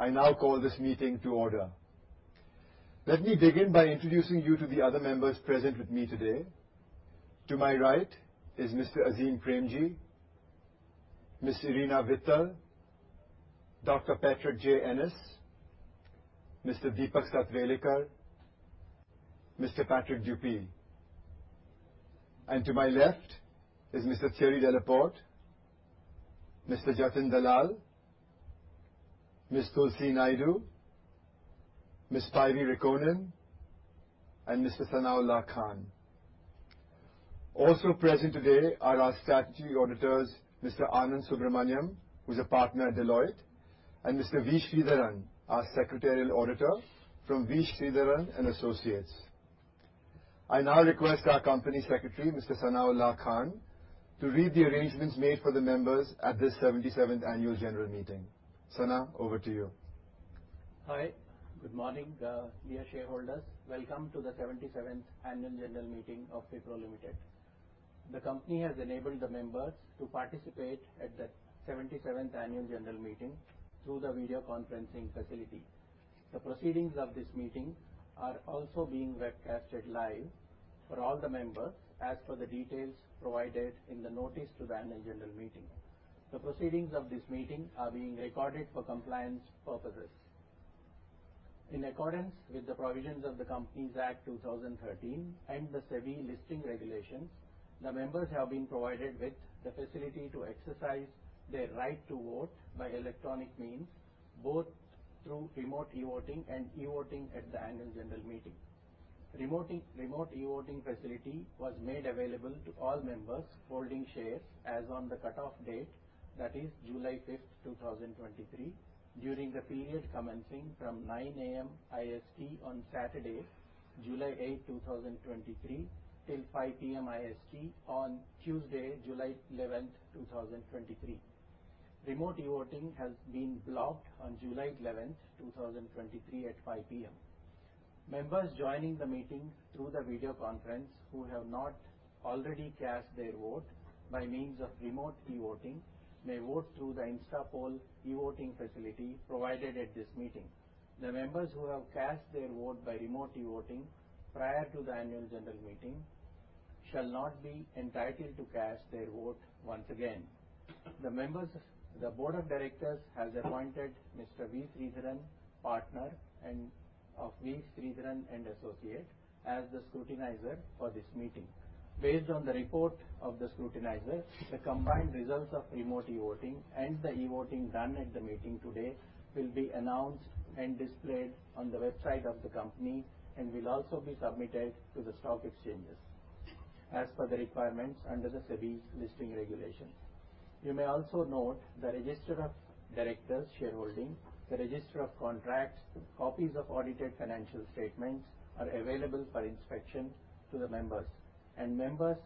I now call this meeting to order. Let me begin by introducing you to the other members present with me today. To my right is Mr. Azim Premji, Ms. Ireena Vittal, Dr. Patrick J. Ennis, Mr. Deepak M. Satwalekar, Mr. Patrick Dupuis. To my left is Mr. Thierry Delaporte, Mr. Jatin Dalal, Ms. Tulsi Naidu, Ms. Päivi Rekonen, and Mr. Sanaullah Khan. Also present today are our statutory auditors, Mr. Anand Subramanian, who's a partner at Deloitte, and Mr. V. Sreedharan, our secretarial auditor from V. Sreedharan & Associates. I now request our Company Secretary, Mr. Sanaullah Khan, to read the arrangements made for the members at this 77th annual general meeting. Sana, over to you. Hi. Good morning, dear shareholders. Welcome to the 77th annual general meeting of Wipro Limited. The company has enabled the members to participate at the 77th annual general meeting through the video conferencing facility. The proceedings of this meeting are also being webcasted live for all the members, as per the details provided in the notice to the annual general meeting. The proceedings of this meeting are being recorded for compliance purposes. In accordance with the provisions of the Companies Act 2013 and the SEBI Listing Regulations, the members have been provided with the facility to exercise their right to vote by electronic means, both through remote e-voting and e-voting at the annual general meeting. Remote e-voting facility was made available to all members holding shares as on the cutoff date, that is July 5th, 2023, during the period commencing from 9:00 A.M. IST on Saturday, July 8th, 2023, till 5:00 P.M. IST on Tuesday, July 11th, 2023. Remote e-voting has been blocked on July 11th, 2023 at 5:00 P.M. Members joining the meeting through the video conference, who have not already cast their vote by means of remote e-voting, may vote through the InstaPoll e-voting facility provided at this meeting. The members who have cast their vote by remote e-voting prior to the annual general meeting shall not be entitled to cast their vote once again. The board of directors has appointed Mr. V. Sreedharan, partner of V. Sreedharan & Associates, as the scrutinizer for this meeting. Based on the report of the scrutinizer, the combined results of remote e-voting and the e-voting done at the meeting today will be announced and displayed on the website of the company, and will also be submitted to the stock exchanges, as per the requirements under the SEBI's listing regulations. You may also note the register of directors' shareholding, the register of contracts, copies of audited financial statements, are available for inspection to the members. Members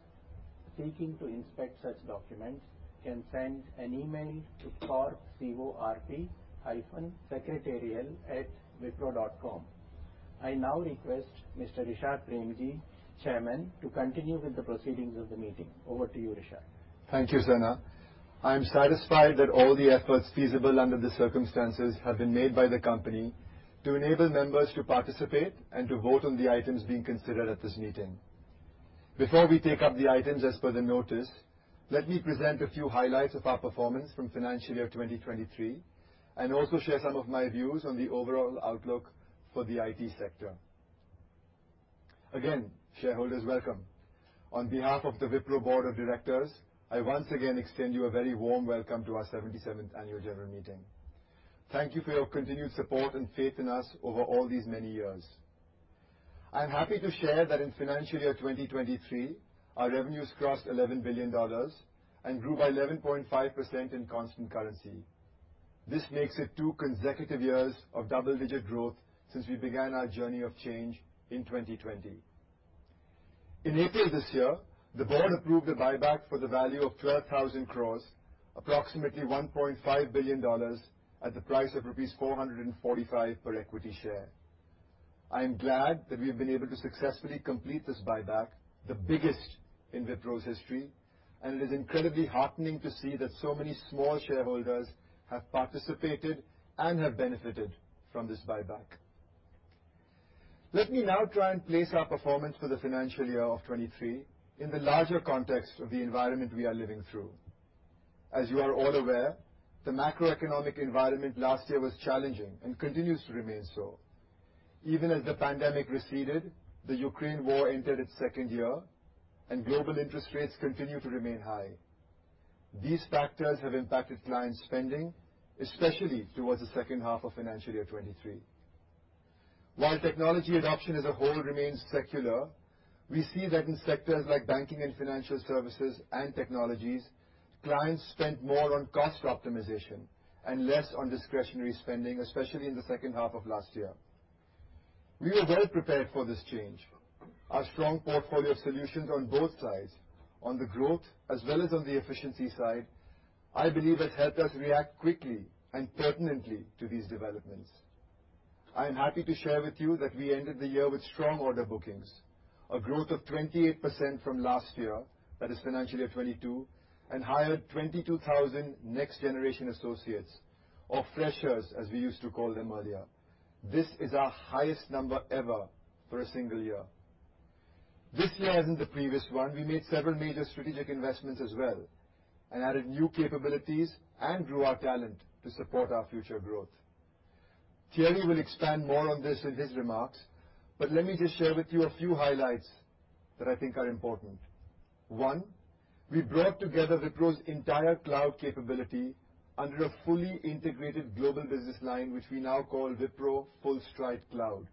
seeking to inspect such documents can send an email to corp, C-O-R-P, hyphen secretarial at wipro dot com. I now request Mr. Rishad Premji, chairman, to continue with the proceedings of the meeting. Over to you, Rishad. Thank you, Sana. I am satisfied that all the efforts feasible under the circumstances have been made by the company to enable members to participate and to vote on the items being considered at this meeting. Before we take up the items as per the notice, let me present a few highlights of our performance from financial year 2023, and also share some of my views on the overall outlook for the IT sector. Again, shareholders, welcome. On behalf of the Wipro Board of Directors, I once again extend you a very warm welcome to our 77th annual general meeting. Thank you for your continued support and faith in us over all these many years. I'm happy to share that in financial year 2023, our revenues crossed $11 billion and grew by 11.5% in constant currency. This makes it two consecutive years of double-digit growth since we began our journey of change in 2020. In April this year, the board approved a buyback for the value of 12,000 crores, approximately $1.5 billion, at the price of rupees 445 per equity share. I am glad that we've been able to successfully complete this buyback, the biggest in Wipro's history, and it is incredibly heartening to see that so many small shareholders have participated and have benefited from this buyback. Let me now try and place our performance for the financial year of 2023 in the larger context of the environment we are living through. As you are all aware, the macroeconomic environment last year was challenging and continues to remain so. Even as the pandemic receded, the Ukraine war entered its second year, global interest rates continue to remain high. These factors have impacted client spending, especially towards the second half of financial year 23. While technology adoption as a whole remains secular, we see that in sectors like banking and financial services and technologies, clients spent more on cost optimization and less on discretionary spending, especially in the second half of last year. We were well prepared for this change. Our strong portfolio of solutions on both sides, on the growth as well as on the efficiency side, I believe, has helped us react quickly and pertinently to these developments. I am happy to share with you that we ended the year with strong order bookings, a growth of 28% from last year, that is financial year 22, and hired 22,000 next generation associates, or freshers, as we used to call them earlier. This is our highest number ever for a single year. This year, as in the previous one, we made several major strategic investments as well, added new capabilities and grew our talent to support our future growth. Thierry will expand more on this in his remarks, let me just share with you a few highlights that I think are important. One, we brought together Wipro's entire cloud capability under a fully integrated global business line, which we now call Wipro FullStride Cloud,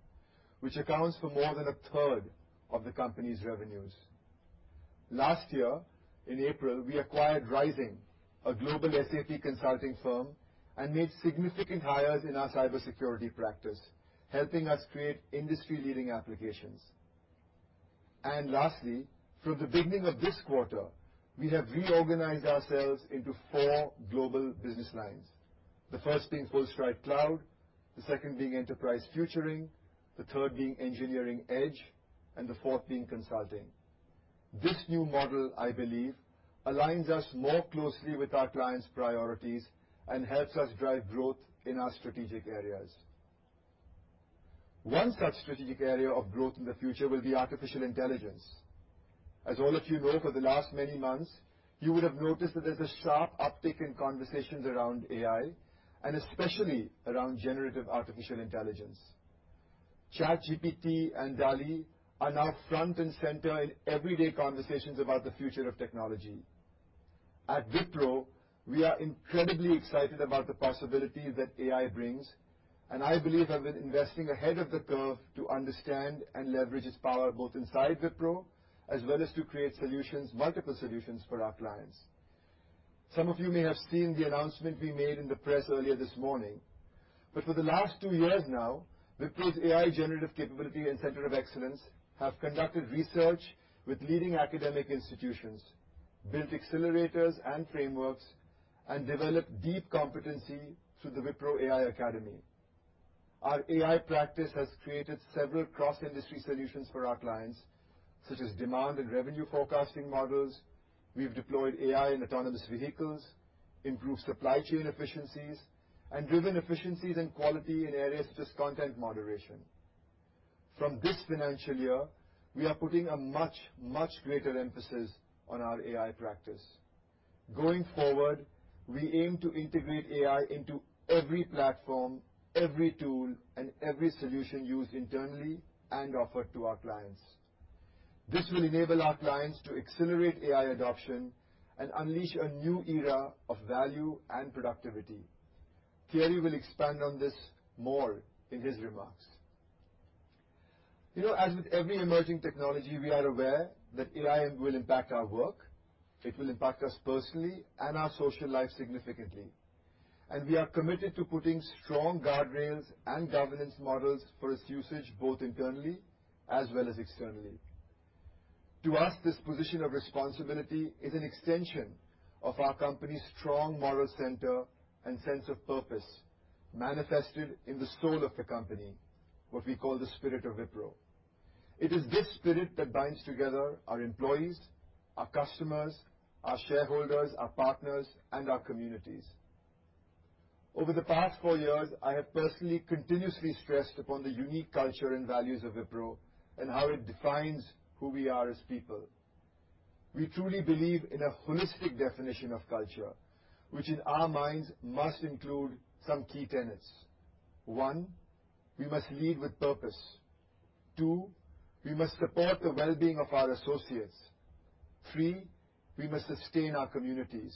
which accounts for more than a third of the company's revenues. Last year, in April, we acquired Rizing, a global SAP consulting firm, and made significant hires in our cybersecurity practice, helping us create industry-leading applications. Lastly, from the beginning of this quarter, we have reorganized ourselves into four global business lines. The first being FullStride Cloud, the second being Enterprise Futuring, the third being Engineering Edge, and the fourth being Consulting. This new model, I believe, aligns us more closely with our clients' priorities and helps us drive growth in our strategic areas. One such strategic area of growth in the future will be artificial intelligence. As all of you know, for the last many months, you would have noticed that there's a sharp uptick in conversations around AI and especially around generative artificial intelligence. ChatGPT and DALL·E are now front and center in everyday conversations about the future of technology. At Wipro, we are incredibly excited about the possibilities that AI brings, and I believe we have been investing ahead of the curve to understand and leverage its power, both inside Wipro as well as to create solutions, multiple solutions, for our clients. Some of you may have seen the announcement we made in the press earlier this morning. For the last two years now, Wipro's AI generative capability and center of excellence have conducted research with leading academic institutions, built accelerators and frameworks, and developed deep competency through the Wipro AI Academy. Our AI practice has created several cross-industry solutions for our clients, such as demand and revenue forecasting models. We've deployed AI in autonomous vehicles, improved supply chain efficiencies, and driven efficiencies and quality in areas such as content moderation. From this financial year, we are putting a much, much greater emphasis on our AI practice. Going forward, we aim to integrate AI into every platform, every tool, and every solution used internally and offered to our clients. This will enable our clients to accelerate AI adoption and unleash a new era of value and productivity. Thierry will expand on this more in his remarks. You know, as with every emerging technology, we are aware that AI will impact our work. It will impact us personally and our social life significantly. We are committed to putting strong guardrails and governance models for its usage, both internally as well as externally. To us, this position of responsibility is an extension of our company's strong moral center and sense of purpose, manifested in the soul of the company, what we call the spirit of Wipro. It is this spirit that binds together our employees, our customers, our shareholders, our partners, and our communities. Over the past four years, I have personally continuously stressed upon the unique culture and values of Wipro and how it defines who we are as people. We truly believe in a holistic definition of culture, which in our minds must include some key tenets. One, we must lead with purpose. Two, we must support the well-being of our associates. Three, we must sustain our communities.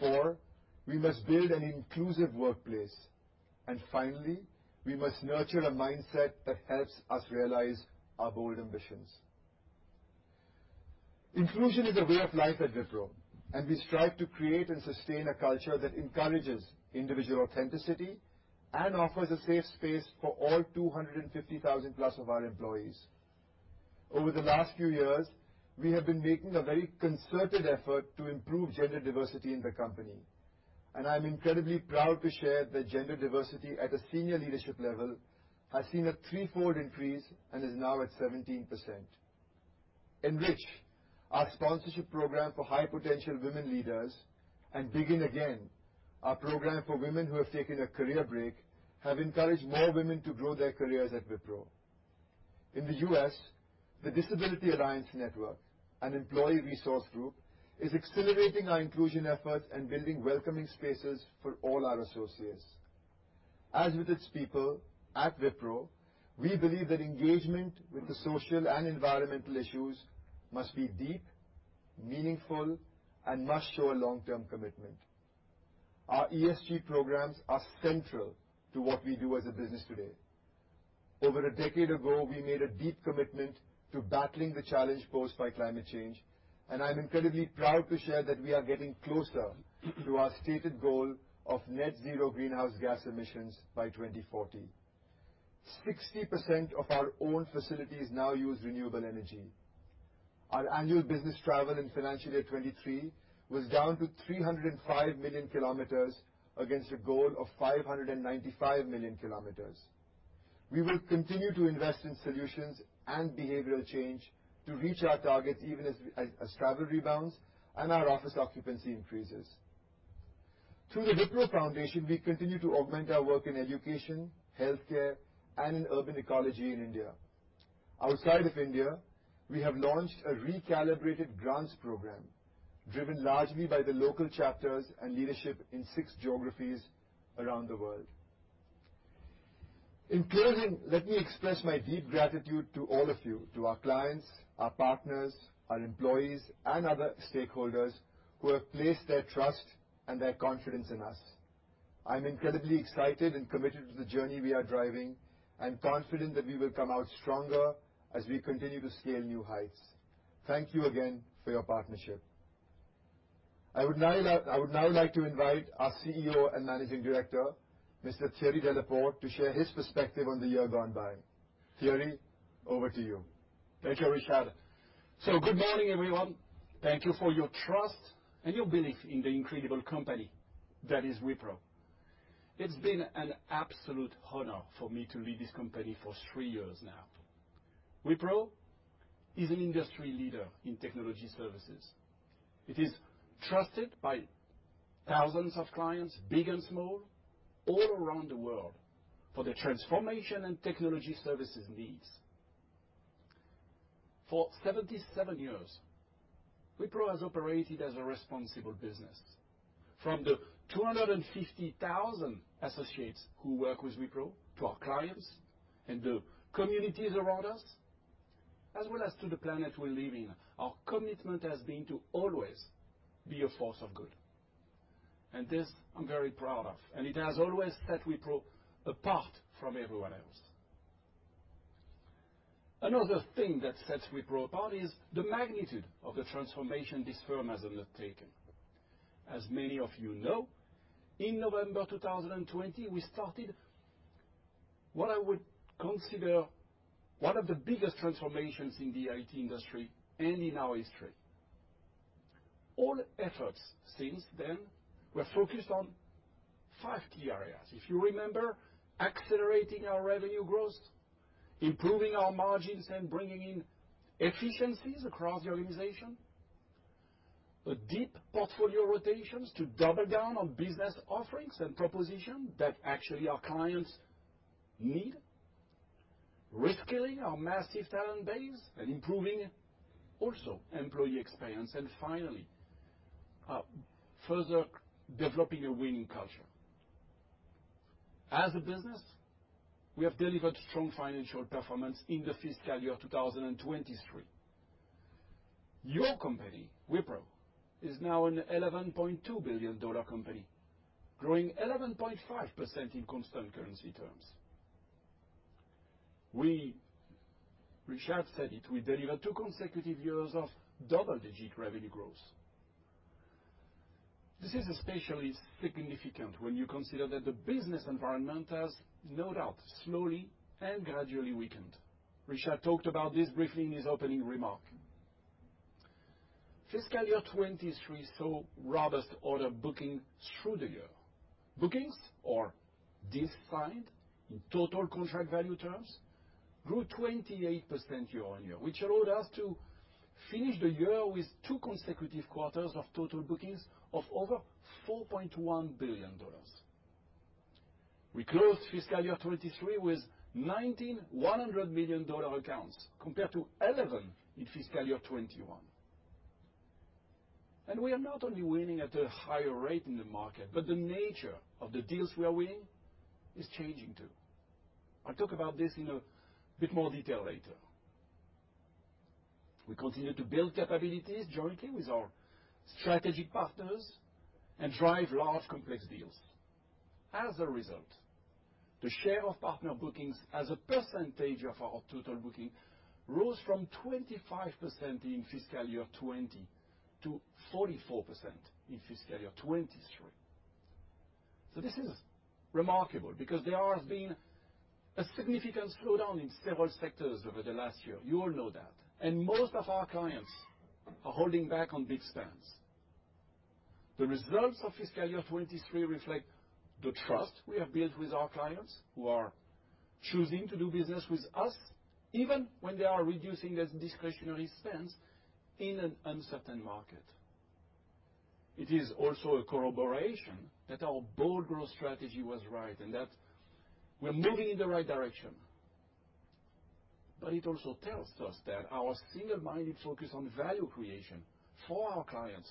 Four, we must build an inclusive workplace. Finally, we must nurture a mindset that helps us realize our bold ambitions. Inclusion is a way of life at Wipro, and we strive to create and sustain a culture that encourages individual authenticity and offers a safe space for all 250,000+ of our employees. Over the last few years, we have been making a very concerted effort to improve gender diversity in the company, and I'm incredibly proud to share that gender diversity at a senior leadership level has seen a threefold increase and is now at 17%. Enrich, our sponsorship program for high-potential women leaders, and Begin Again, our program for women who have taken a career break, have encouraged more women to grow their careers at Wipro. In the U.S., the Disability Alliance Network, an employee resource group, is accelerating our inclusion efforts and building welcoming spaces for all our associates. As with its people, at Wipro, we believe that engagement with the social and environmental issues must be deep, meaningful, and must show a long-term commitment. Our ESG programs are central to what we do as a business today. Over a decade ago, we made a deep commitment to battling the challenge posed by climate change. I'm incredibly proud to share that we are getting closer to our stated goal of net zero greenhouse gas emissions by 2040. 60% of our own facilities now use renewable energy. Our annual business travel in financial year 2023 was down to 305 million km against a goal of 595 million km. We will continue to invest in solutions and behavioral change to reach our targets, even as travel rebounds and our office occupancy increases. Through the Wipro Foundation, we continue to augment our work in education, healthcare, and in urban ecology in India. Outside of India, we have launched a recalibrated grants program driven largely by the local chapters and leadership in six geographies around the world. In closing, let me express my deep gratitude to all of you, to our clients, our partners, our employees, and other stakeholders who have placed their trust and their confidence in us. I'm incredibly excited and committed to the journey we are driving and confident that we will come out stronger as we continue to scale new heights. Thank you again for your partnership. I would now like to invite our CEO and Managing Director, Mr. Thierry Delaporte, to share his perspective on the year gone by. Thierry, over to you. Thank you, Rishad. Good morning, everyone. Thank you for your trust and your belief in the incredible company that is Wipro. It's been an absolute honor for me to lead this company for three years now. Wipro is an industry leader in technology services. It is trusted by thousands of clients, big and small, all around the world for their transformation and technology services needs. For 77 years, Wipro has operated as a responsible business. From the 250,000 associates who work with Wipro, to our clients and the communities around us, as well as to the planet we live in, our commitment has been to always be a force of good, and this I'm very proud of, and it has always set Wipro apart from everyone else. Another thing that sets Wipro apart is the magnitude of the transformation this firm has undertaken. As many of you know, in November 2020, we started what I would consider one of the biggest transformations in the IT industry and in our history. All efforts since then were focused on five key areas. If you remember, accelerating our revenue growth, improving our margins, and bringing in efficiencies across the organization, a deep portfolio rotations to double down on business offerings and proposition that actually our clients need. Reskilling our massive talent base and improving also employee experience, and finally, further developing a winning culture. As a business, we have delivered strong financial performance in the fiscal year 2023. Your company, Wipro, is now an $11.2 billion company, growing 11.5% in constant currency terms. Rishad said it, we delivered two consecutive years of double-digit revenue growth. This is especially significant when you consider that the business environment has no doubt slowly and gradually weakened. Rishad talked about this briefly in his opening remark. Fiscal year 2023 saw robust order bookings through the year. Bookings or deals signed in total contract value terms grew 28% year-on-year, which allowed us to finish the year with two consecutive quarters of total bookings of over $4.1 billion. We closed fiscal year 2023 with 19 $100 million accounts, compared to 11 in fiscal year 2021. We are not only winning at a higher rate in the market, but the nature of the deals we are winning is changing, too. I'll talk about this in a bit more detail later. We continue to build capabilities jointly with our strategic partners and drive large, complex deals. As a result, the share of partner bookings as a percentage of our total booking rose from 25% in fiscal year 2020 to 44% in fiscal year 2023. This is remarkable because there has been a significant slowdown in several sectors over the last year. You all know that. Most of our clients are holding back on big spends. The results of fiscal year 2023 reflect the trust we have built with our clients, who are choosing to do business with us, even when they are reducing their discretionary spends in an uncertain market. It is also a corroboration that our bold growth strategy was right, and that we're moving in the right direction. It also tells us that our single-minded focus on value creation for our clients,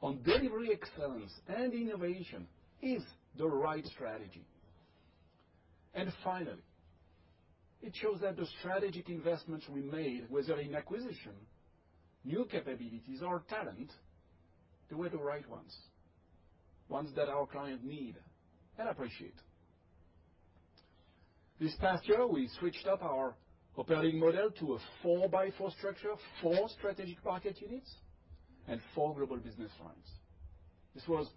on delivery excellence and innovation, is the right strategy. Finally, it shows that the strategic investments we made, whether in acquisition, new capabilities or talent, they were the right ones that our client need and appreciate. This past year, we switched up our operating model to a 4x4 structure, four strategic market units and four global business lines. This was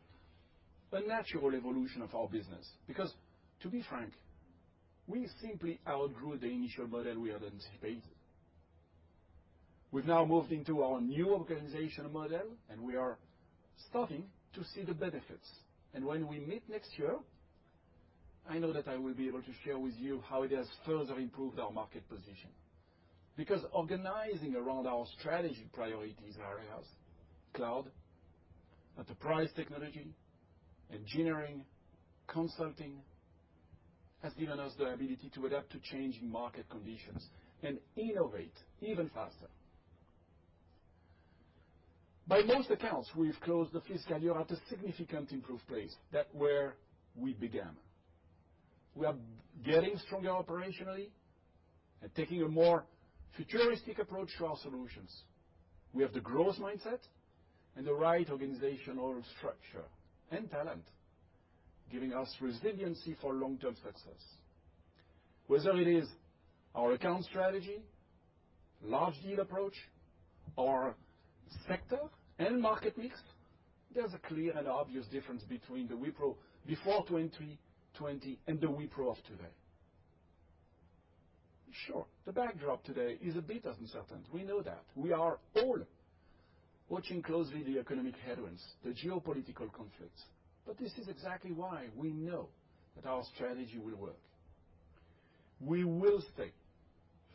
a natural evolution of our business, because to be frank, we simply outgrew the initial model we had anticipated. We've now moved into our new organizational model, we are starting to see the benefits. When we meet next year, I know that I will be able to share with you how it has further improved our market position. Organizing around our strategy priorities areas, cloud, enterprise technology, engineering, consulting, has given us the ability to adapt to changing market conditions and innovate even faster. By most accounts, we've closed the fiscal year at a significantly improved place than where we began. We are getting stronger operationally and taking a more futuristic approach to our solutions. We have the growth mindset and the right organizational structure and talent, giving us resiliency for long-term success. Whether it is our account strategy, large deal approach, or sector and market mix, there's a clear and obvious difference between the Wipro before 2020 and the Wipro of today. Sure, the backdrop today is a bit uncertain. We know that. We are all watching closely the economic headwinds, the geopolitical conflicts, this is exactly why we know that our strategy will work. We will stay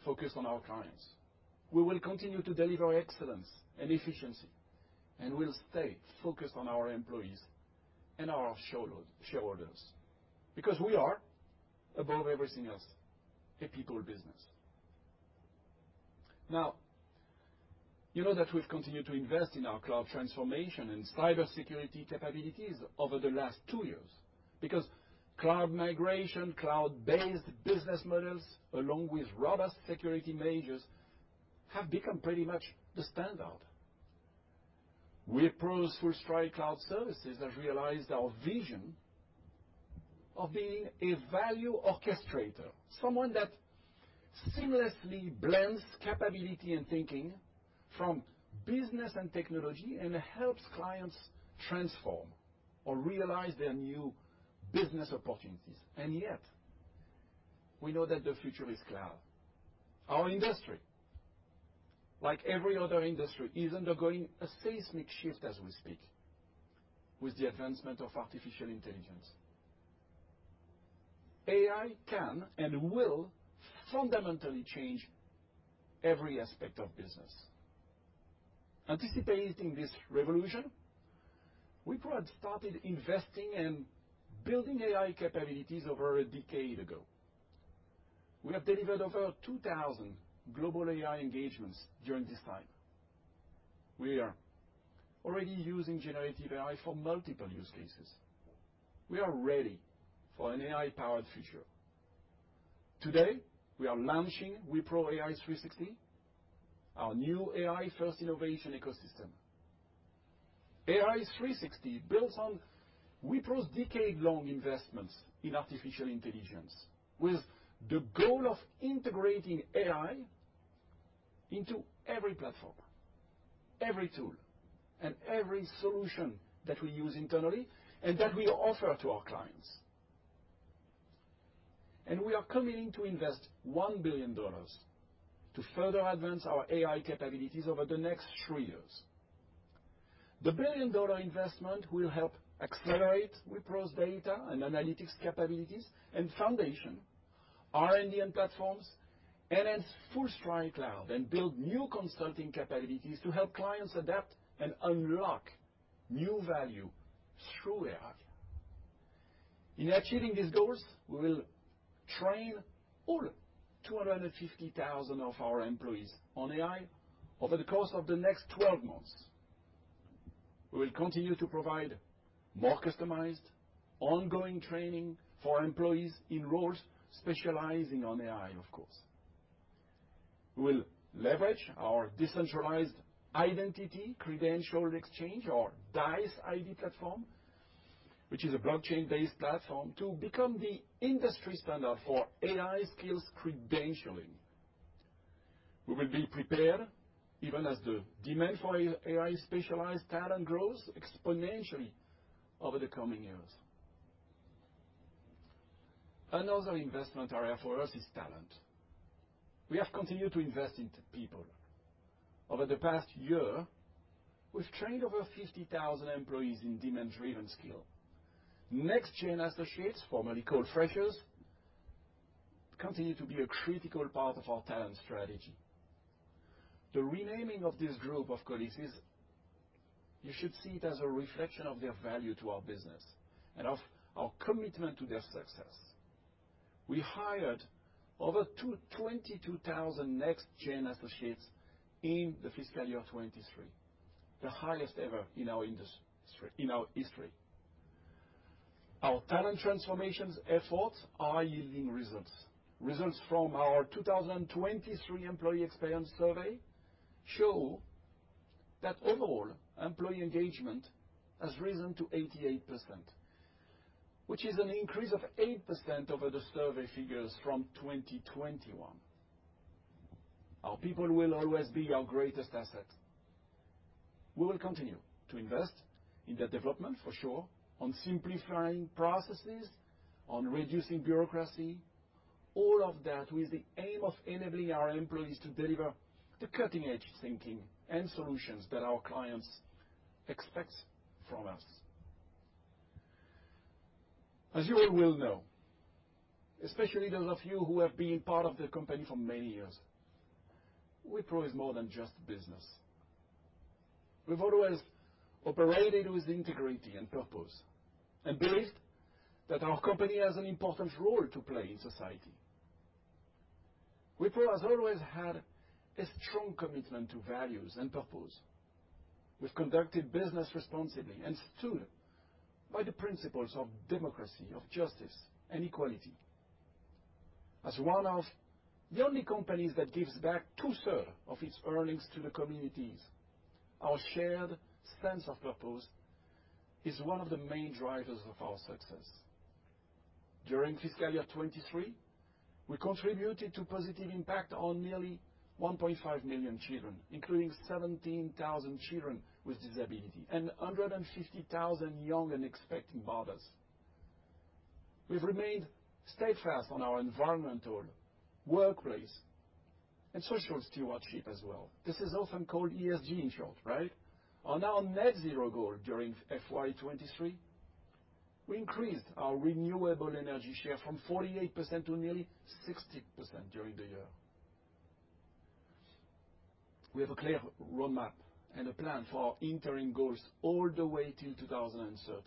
focused on our clients. We will continue to deliver excellence and efficiency, we'll stay focused on our employees and our shareholders, because we are, above everything else, a people business. Now, you know that we've continued to invest in our cloud transformation and cybersecurity capabilities over the last two years, because cloud migration, cloud-based business models, along with robust security measures, have become pretty much the standard. Wipro's FullStride Cloud Services have realized our vision of being a value orchestrator, someone that seamlessly blends capability and thinking from business and technology, and helps clients transform or realize their new business opportunities. Yet, we know that the future is cloud. Our industry, like every other industry, is undergoing a seismic shift as we speak with the advancement of artificial intelligence. AI can and will fundamentally change every aspect of business. Anticipating this revolution, Wipro had started investing in building AI capabilities over a decade ago. We have delivered over 2,000 global AI engagements during this time. We are already using generative AI for multiple use cases. We are ready for an AI-powered future. Today, we are launching Wipro ai360, our new AI-first innovation ecosystem. ai360 builds on Wipro's decade-long investments in artificial intelligence, with the goal of integrating AI into every platform, every tool, and every solution that we use internally and that we offer to our clients. We are committing to invest $1 billion to further advance our AI capabilities over the next three years. The billion-dollar investment will help accelerate Wipro's data and analytics capabilities and foundation, R&D platforms, enhance FullStride Cloud, and build new consulting capabilities to help clients adapt and unlock new value through AI. In achieving these goals, we will train all 250,000 of our employees on AI over the course of the next 12 months. We will continue to provide more customized, ongoing training for employees in roles specializing on AI, of course. We will leverage our Decentralized Identity and Credential Exchange, or DICE ID platform, which is a blockchain-based platform, to become the industry standard for AI skills credentialing. We will be prepared even as the demand for AI-specialized talent grows exponentially over the coming years. Another investment area for us is talent. We have continued to invest into people. Over the past year, we've trained over 50,000 employees in demand-driven skill. Nextgen associates, formerly called freshers, continue to be a critical part of our talent strategy. The renaming of this group of colleagues. You should see it as a reflection of their value to our business and of our commitment to their success. We hired over 22,000 Nextgen associates in the fiscal year 2023, the highest ever in our industry, in our history. Our talent transformations efforts are yielding results. Results from our 2023 Employee Experience Survey show that overall, employee engagement has risen to 88%, which is an increase of 8% over the survey figures from 2021. Our people will always be our greatest asset. We will continue to invest in their development, for sure, on simplifying processes, on reducing bureaucracy, all of that with the aim of enabling our employees to deliver the cutting-edge thinking and solutions that our clients expect from us. As you all well know, especially those of you who have been part of the company for many years, Wipro is more than just business. We've always operated with integrity and purpose, believed that our company has an important role to play in society. Wipro has always had a strong commitment to values and purpose. We've conducted business responsibly and stood by the principles of democracy, of justice, and equality. As one of the only companies that gives back two-third of its earnings to the communities, our shared sense of purpose is one of the main drivers of our success. During fiscal year 2023, we contributed to positive impact on nearly 1.5 million children, including 17,000 children with disability and 150,000 young and expecting mothers. We've remained steadfast on our environmental, workplace, and social stewardship as well. This is often called ESG, in short, right? On our net zero goal during FY 2023, we increased our renewable energy share from 48% to nearly 60% during the year. We have a clear roadmap and a plan for our interim goals all the way till 2030.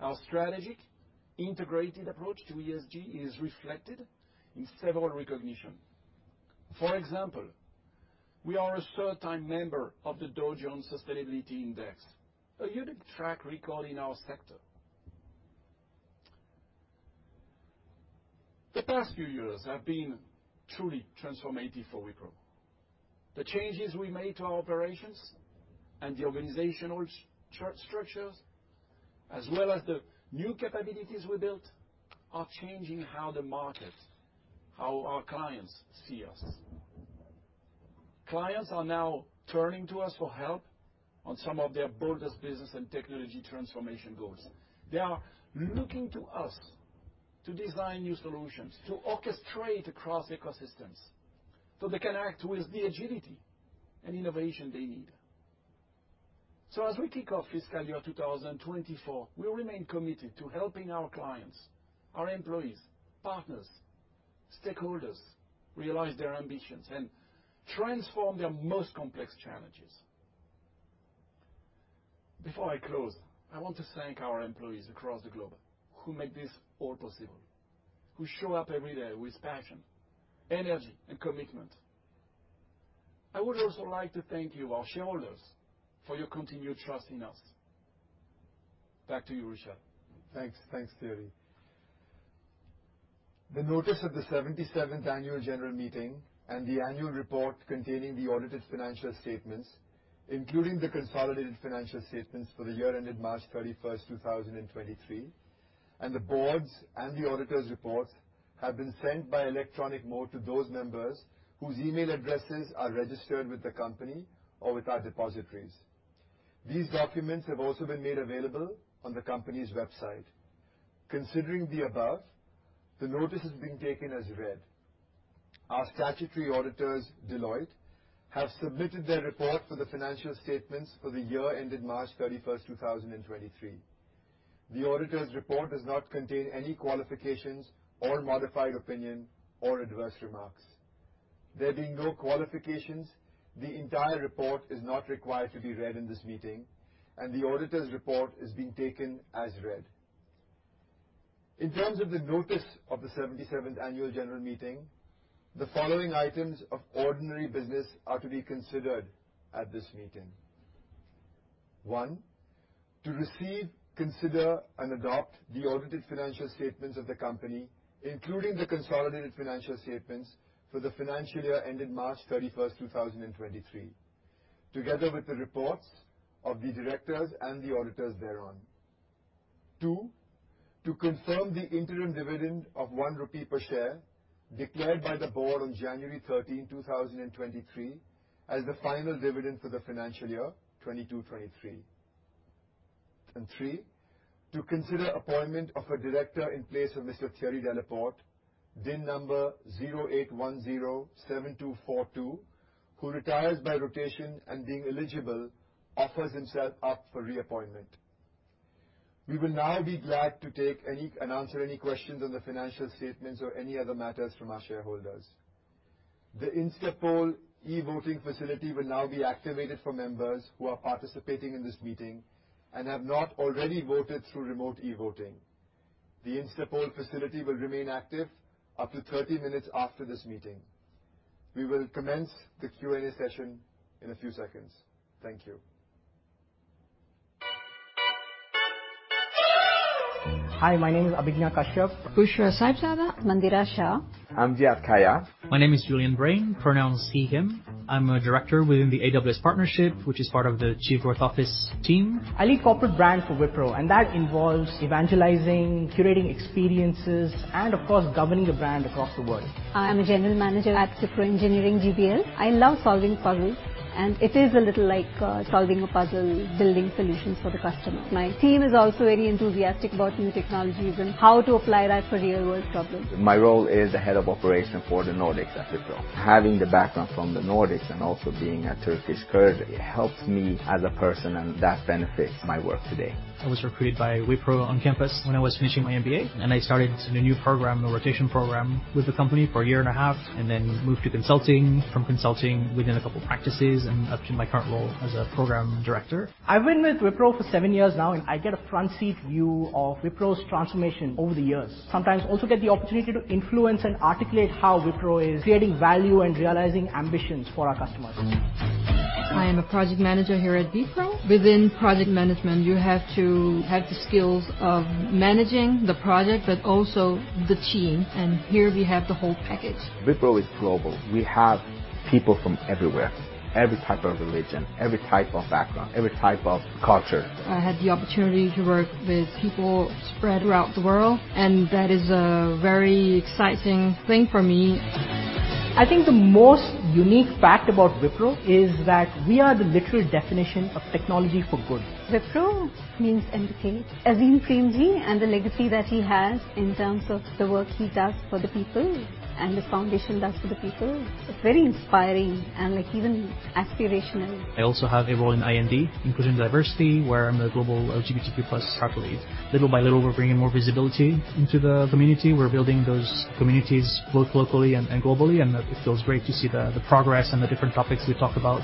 Our strategic, integrated approach to ESG is reflected in several recognition. For example, we are a third-time member of the Dow Jones Sustainability Index, a unique track record in our sector. The past few years have been truly transformative for Wipro. The changes we made to our operations and the organizational structures, as well as the new capabilities we built, are changing how the market, how our clients see us. Clients are now turning to us for help on some of their boldest business and technology transformation goals. They are looking to us to design new solutions, to orchestrate across ecosystems, so they can act with the agility and innovation they need. As we kick off fiscal year 2024, we remain committed to helping our clients, our employees, partners, stakeholders, realize their ambitions and transform their most complex challenges. Before I close, I want to thank our employees across the globe who make this all possible, who show up every day with passion, energy, and commitment. I would also like to thank you, our shareholders, for your continued trust in us. Back to you, Rishad. Thanks. Thanks, Thierry. The notice of the 77th annual general meeting and the annual report containing the audited financial statements, including the consolidated financial statements for the year ended March 31st, 2023, and the board's and the auditors' reports, have been sent by electronic mode to those members whose email addresses are registered with the company or with our depositories. These documents have also been made available on the company's website. Considering the above, the notice has been taken as read. Our statutory auditors, Deloitte, have submitted their report for the financial statements for the year ended March 31st, 2023. The auditor's report does not contain any qualifications or modified opinion or adverse remarks. There being no qualifications, the entire report is not required to be read in this meeting, and the auditor's report is being taken as read. In terms of the notice of the 77th annual general meeting, the following items of ordinary business are to be considered at this meeting. One, to receive, consider, and adopt the audited financial statements of the company, including the consolidated financial statements for the financial year ended March 31st, 2023, together with the reports of the directors and the auditors thereon. Two, to confirm the interim dividend of 1 rupee per share, declared by the board on January 13, 2023, as the final dividend for the financial year 2022-2023. Three, to consider appointment of a director in place of Mr. Thierry Delaporte, DIN number 08107242, who retires by rotation and being eligible, offers himself up for reappointment. We will now be glad to take any, and answer any questions on the financial statements or any other matters from our shareholders. The InstaPoll e-voting facility will now be activated for members who are participating in this meeting and have not already voted through remote e-voting. The InstaPoll facility will remain active up to 30 minutes after this meeting. We will commence the Q&A session in a few seconds. Thank you. Hi, my name is Abhigna Kashyap. Bushra Sahibzada. Mandira Shah. I'm Ziyaad Khaja. My name is Julian Brain, pronouns he/him. I'm a director within the AWS Partnership, which is part of the Chief Growth Office team. I lead corporate brand for Wipro, and that involves evangelizing, curating experiences, and of course, governing the brand across the world. I am a general manager at Wipro Engineering Edge. I love solving puzzles, and it is a little like, solving a puzzle, building solutions for the customer. My team is also very enthusiastic about new technologies and how to apply that for real-world problems. My role is the head of operations for the Nordics at Wipro. Having the background from the Nordics and also being a Turkish Kurd, it helps me as a person, and that benefits my work today. I was recruited by Wipro on campus when I was finishing my MBA. I started in a new program, a rotation program, with the company for a year and a half, and then moved to Consulting. From Consulting within a couple practices and up to my current role as a program director. I've been with Wipro for seven years now, and I get a front seat view of Wipro's transformation over the years. Sometimes also get the opportunity to influence and articulate how Wipro is creating value and realizing ambitions for our customers. I am a project manager here at Wipro. Within project management, you have to have the skills of managing the project but also the team, and here we have the whole package. Wipro is global. We have people from everywhere, every type of religion, every type of background, every type of culture. I had the opportunity to work with people spread throughout the world, and that is a very exciting thing for me. I think the most unique fact about Wipro is that we are the literal definition of technology for good. Wipro means educate. Azim Premji and the legacy that he has in terms of the work he does for the people and the Foundation does for the people, it's very inspiring and, like, even aspirational. I also have a role in I&D, inclusion and diversity, where I'm a global LGBTQ+ Pride Circle lead. Little by little, we're bringing more visibility into the community. We're building those communities both locally and globally, and it feels great to see the progress and the different topics we talk about.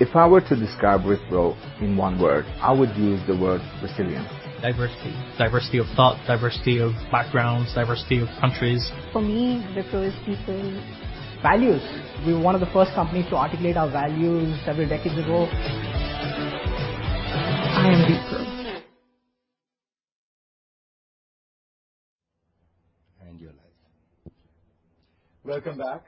If I were to describe Wipro in one word, I would use the word resilient. Diversity. Diversity of thought, diversity of backgrounds, diversity of countries. For me, Wipro is people. Values. We were one of the first companies to articulate our values several decades ago. I am Wipro. You're live. Welcome back.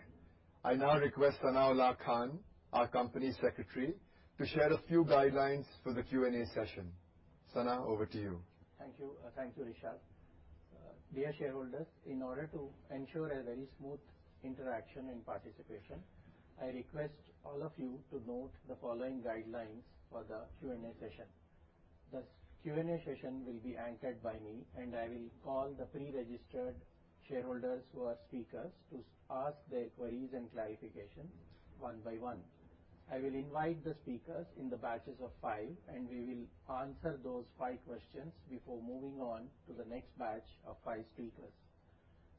I now request Sanaullah Khan, our company secretary, to share a few guidelines for the Q&A session. Sana, over to you. Thank you. Thank you, Rishad. Dear shareholders, in order to ensure a very smooth interaction and participation, I request all of you to note the following guidelines for the Q&A session. The Q&A session will be anchored by me. I will call the pre-registered shareholders who are speakers to ask their queries and clarifications one by one. I will invite the speakers in the batches of five. We will answer those five questions before moving on to the next batch of five speakers.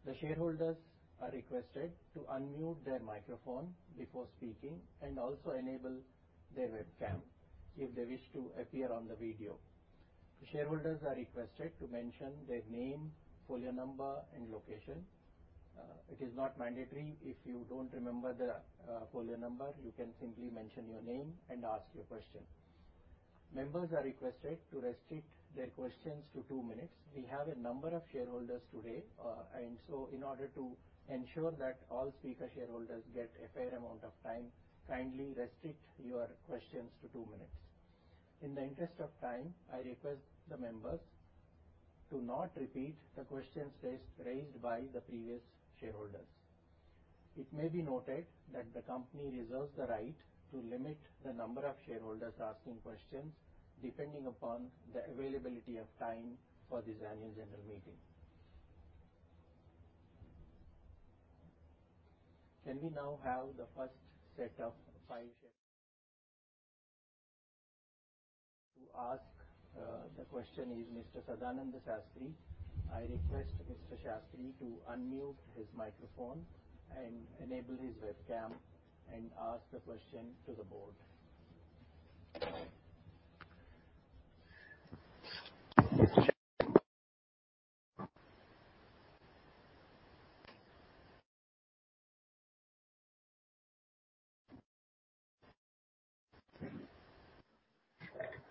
The shareholders are requested to unmute their microphone before speaking and also enable their webcam if they wish to appear on the video. Shareholders are requested to mention their name, folio number, and location. It is not mandatory if you don't remember the folio number, you can simply mention your name and ask your question. Members are requested to restrict their questions to two minutes. We have a number of shareholders today, in order to ensure that all speaker shareholders get a fair amount of time, kindly restrict your questions to two minutes. In the interest of time, I request the members to not repeat the questions raised by the previous shareholders. It may be noted that the company reserves the right to limit the number of shareholders asking questions, depending upon the availability of time for this annual general meeting. Can we now have the first set of five shareholders. To ask the question is Mr. Sadananda Shastri. I request Mr. Shastri to unmute his microphone and enable his webcam and ask the question to the board.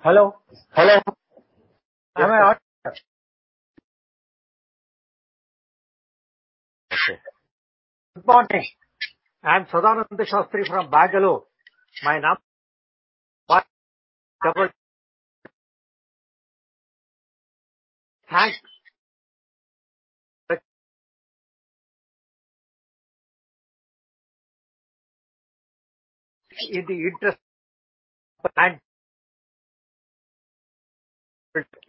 Hello? Hello. Am I on? Good morning. I'm Sadananda Shastri from Bangalore. My number... Thanks. In the interest...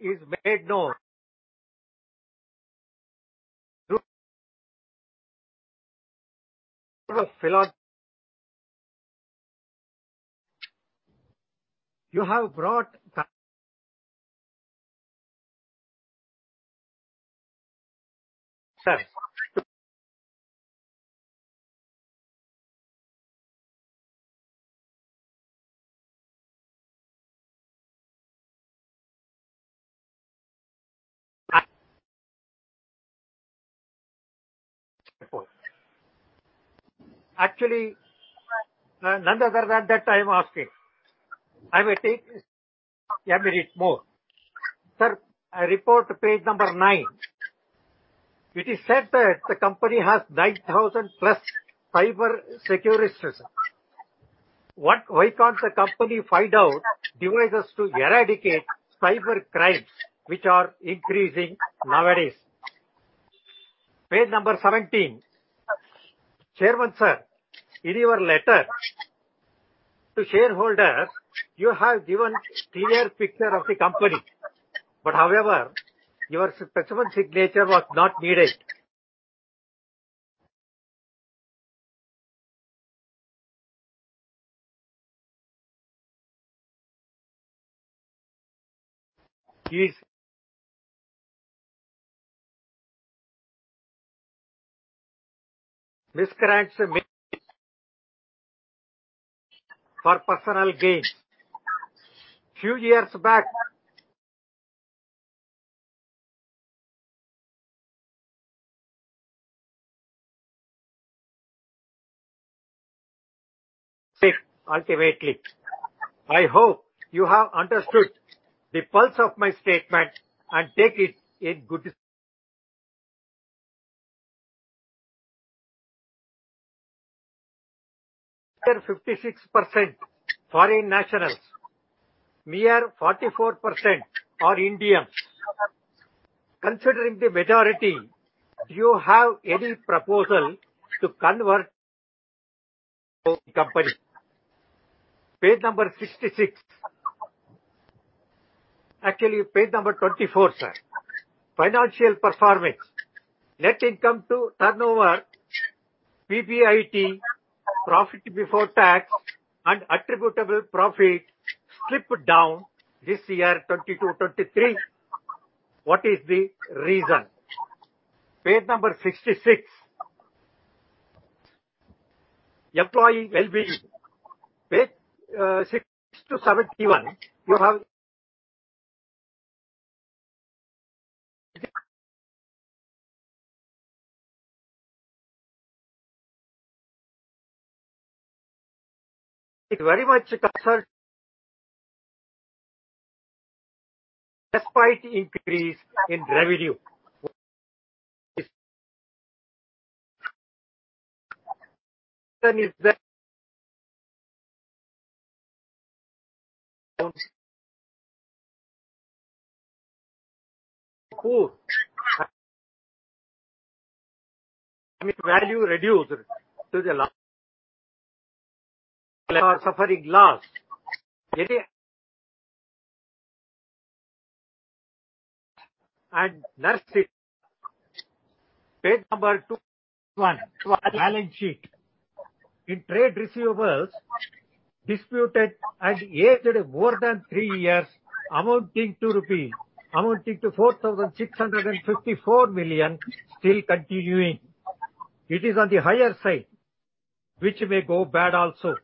It is made known. You have brought... Very well. Bye. Actually, none other than that I am asking. I may take a minute more. Sir, report page number nine, it is said that the company has 9,000 plus cyber security system. Why can't the company find out devices to eradicate cyber crimes, which are increasing nowadays? Page number 17. Chairman, Sir, in your letter to shareholders, you have given clear picture of the company. However, your specimen signature was not needed. Please. Miscreants may for personal gain. Few years back, ultimately, I hope you have understood the pulse of my statement and take it in good... 56% foreign nationals, mere 44% are Indians. Considering the majority, do you have any proposal to convert company? Page number 66. Actually, page number 24, Sir. Financial performance, net income to turnover, PBIT, profit before tax and attributable profit slipped down this year, 2022-2023. What is the reason? Page number 66. Employee wellbeing. Page six to 71, you have... Very much concerned. Despite increase in revenue. Value reduced to the, are suffering loss. Nurse it. Page number 21, balance sheet. In trade receivables, disputed and aged more than three years, amounting to INR, amounting to 4,654 million, still continuing. It is on the higher side, which may go bad also.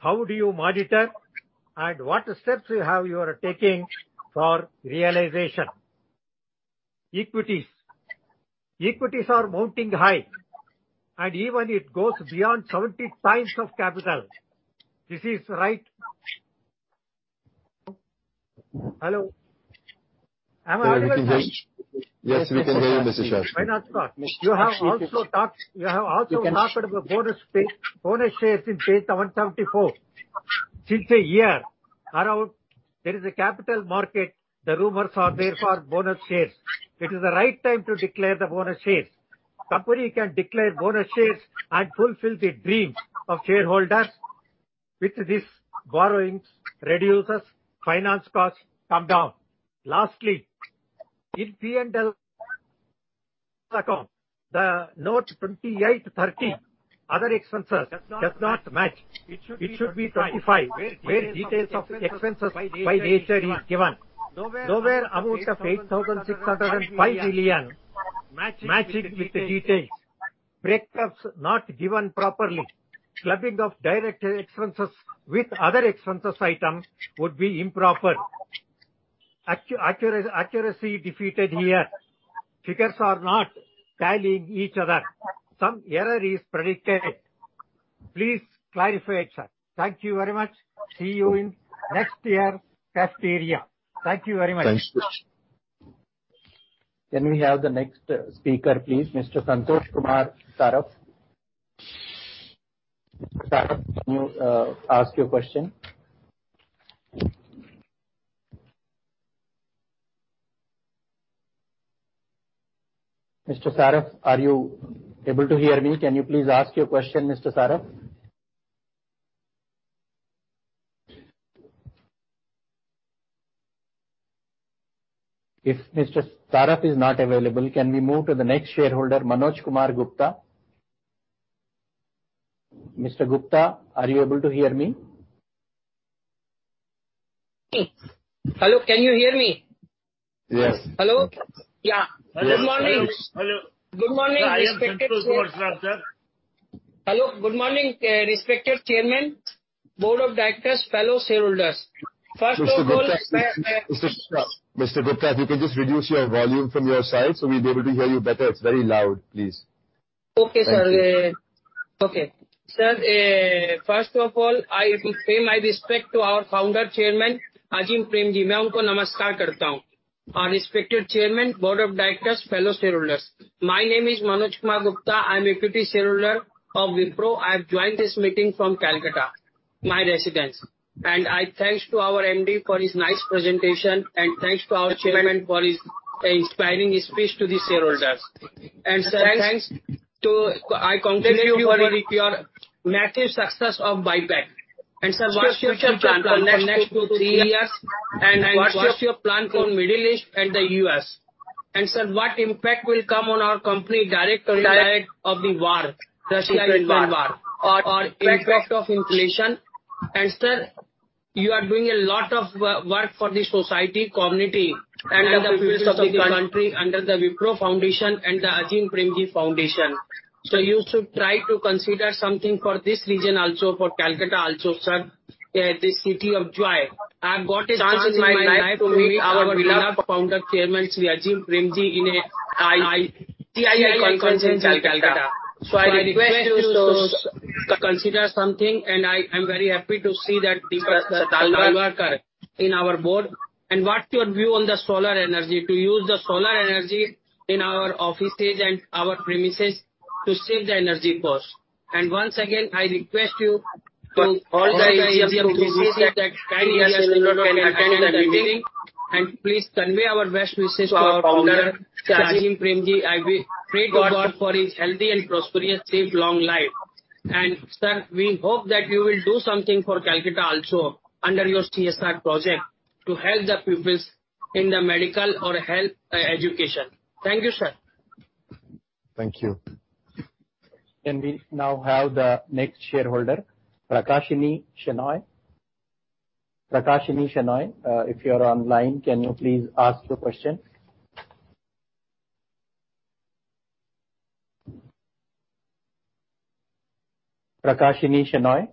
How do you monitor, and what steps you are taking for realization? Equities. Equities are mounting high, even it goes beyond 70 times of capital. This is right. Hello? Am I audible? Yes, you can go ahead, Mr. Shastri. You have also talked about bonus shares in page 174. Since a year, around, there is a capital market, the rumors are there for bonus shares. It is the right time to declare the bonus shares. Company can declare bonus shares and fulfill the dream of shareholders, with this borrowings reduces, finance costs come down. Lastly, in P&L account, the note 28, 30, other expenses does not match. It should be 25, where details of expenses by nature is given. Nowhere amount of 8,605 million matches with the details. Breakups not given properly. Clubbing of direct expenses with other expenses item would be improper. Accuracy defeated here. Figures are not tallying each other. Some error is predicted. Please clarify it, sir. Thank you very much. See you in next year, cafeteria. Thank you very much. Thanks. Can we have the next speaker, please? Mr. Santosh Kumar Saraf. Saraf, can you ask your question? Mr. Saraf, are you able to hear me? Can you please ask your question, Mr. Saraf? If Mr. Saraf is not available, can we move to the next shareholder, Manoj Kumar Gupta? Mr. Gupta, are you able to hear me? Hello, can you hear me? Yes. Hello? Yeah. Good morning. Hello. Hello, good morning, respected Chairman, Board of Directors, fellow shareholders. Mr. Gupta, if you can just reduce your volume from your side, we'll be able to hear you better. It's very loud, please. Okay, sir. Thank you. Okay. Sir, first of all, I pay my respect to our Founder Chairman, Azim Premji. I bow to him. Our respected chairman, board of directors, fellow shareholders. My name is Manoj Kumar Gupta. I'm a deputy shareholder of Wipro. I've joined this meeting from Calcutta, my residence. I thanks to our MD for his nice presentation, thanks to our chairman for his inspiring speech to the shareholders. Sir, I congratulate you for your massive success of buyback. Sir, what's your future plan for next three years, and what's your plan for Middle East and the U.S.? Sir, what impact will come on our company direct impact of the war, Russia-Ukraine war, or impact of inflation? Sir, you are doing a lot of work for the society, community, and the pupils of the country under the Wipro Foundation and the Azim Premji Foundation. You should try to consider something for this region also, for Calcutta also, sir, the City of Joy. I've got a chance in my life to meet our beloved Founder Chairman Azim Premji, in a I-IIA conference in Calcutta. I request you to consider something, and I'm very happy to see that Deepak M. Satwalekar in our board. What's your view on the solar energy, to use the solar energy in our offices and our premises to save the energy cost? Once again, I request you to all the AGM to visit that kindly shareholder can attend the meeting. Please convey our best wishes to our founder, Azim Premji. I pray to God for his healthy and prosperous safe long life. Sir, we hope that you will do something for Calcutta also, under your CSR project, to help the pupils in the medical or health education. Thank you, sir. Thank you. Can we now have the next shareholder, Prakashini Shenoy? Prakashini Shenoy, if you're online, can you please ask your question? Prakashini Shenoy?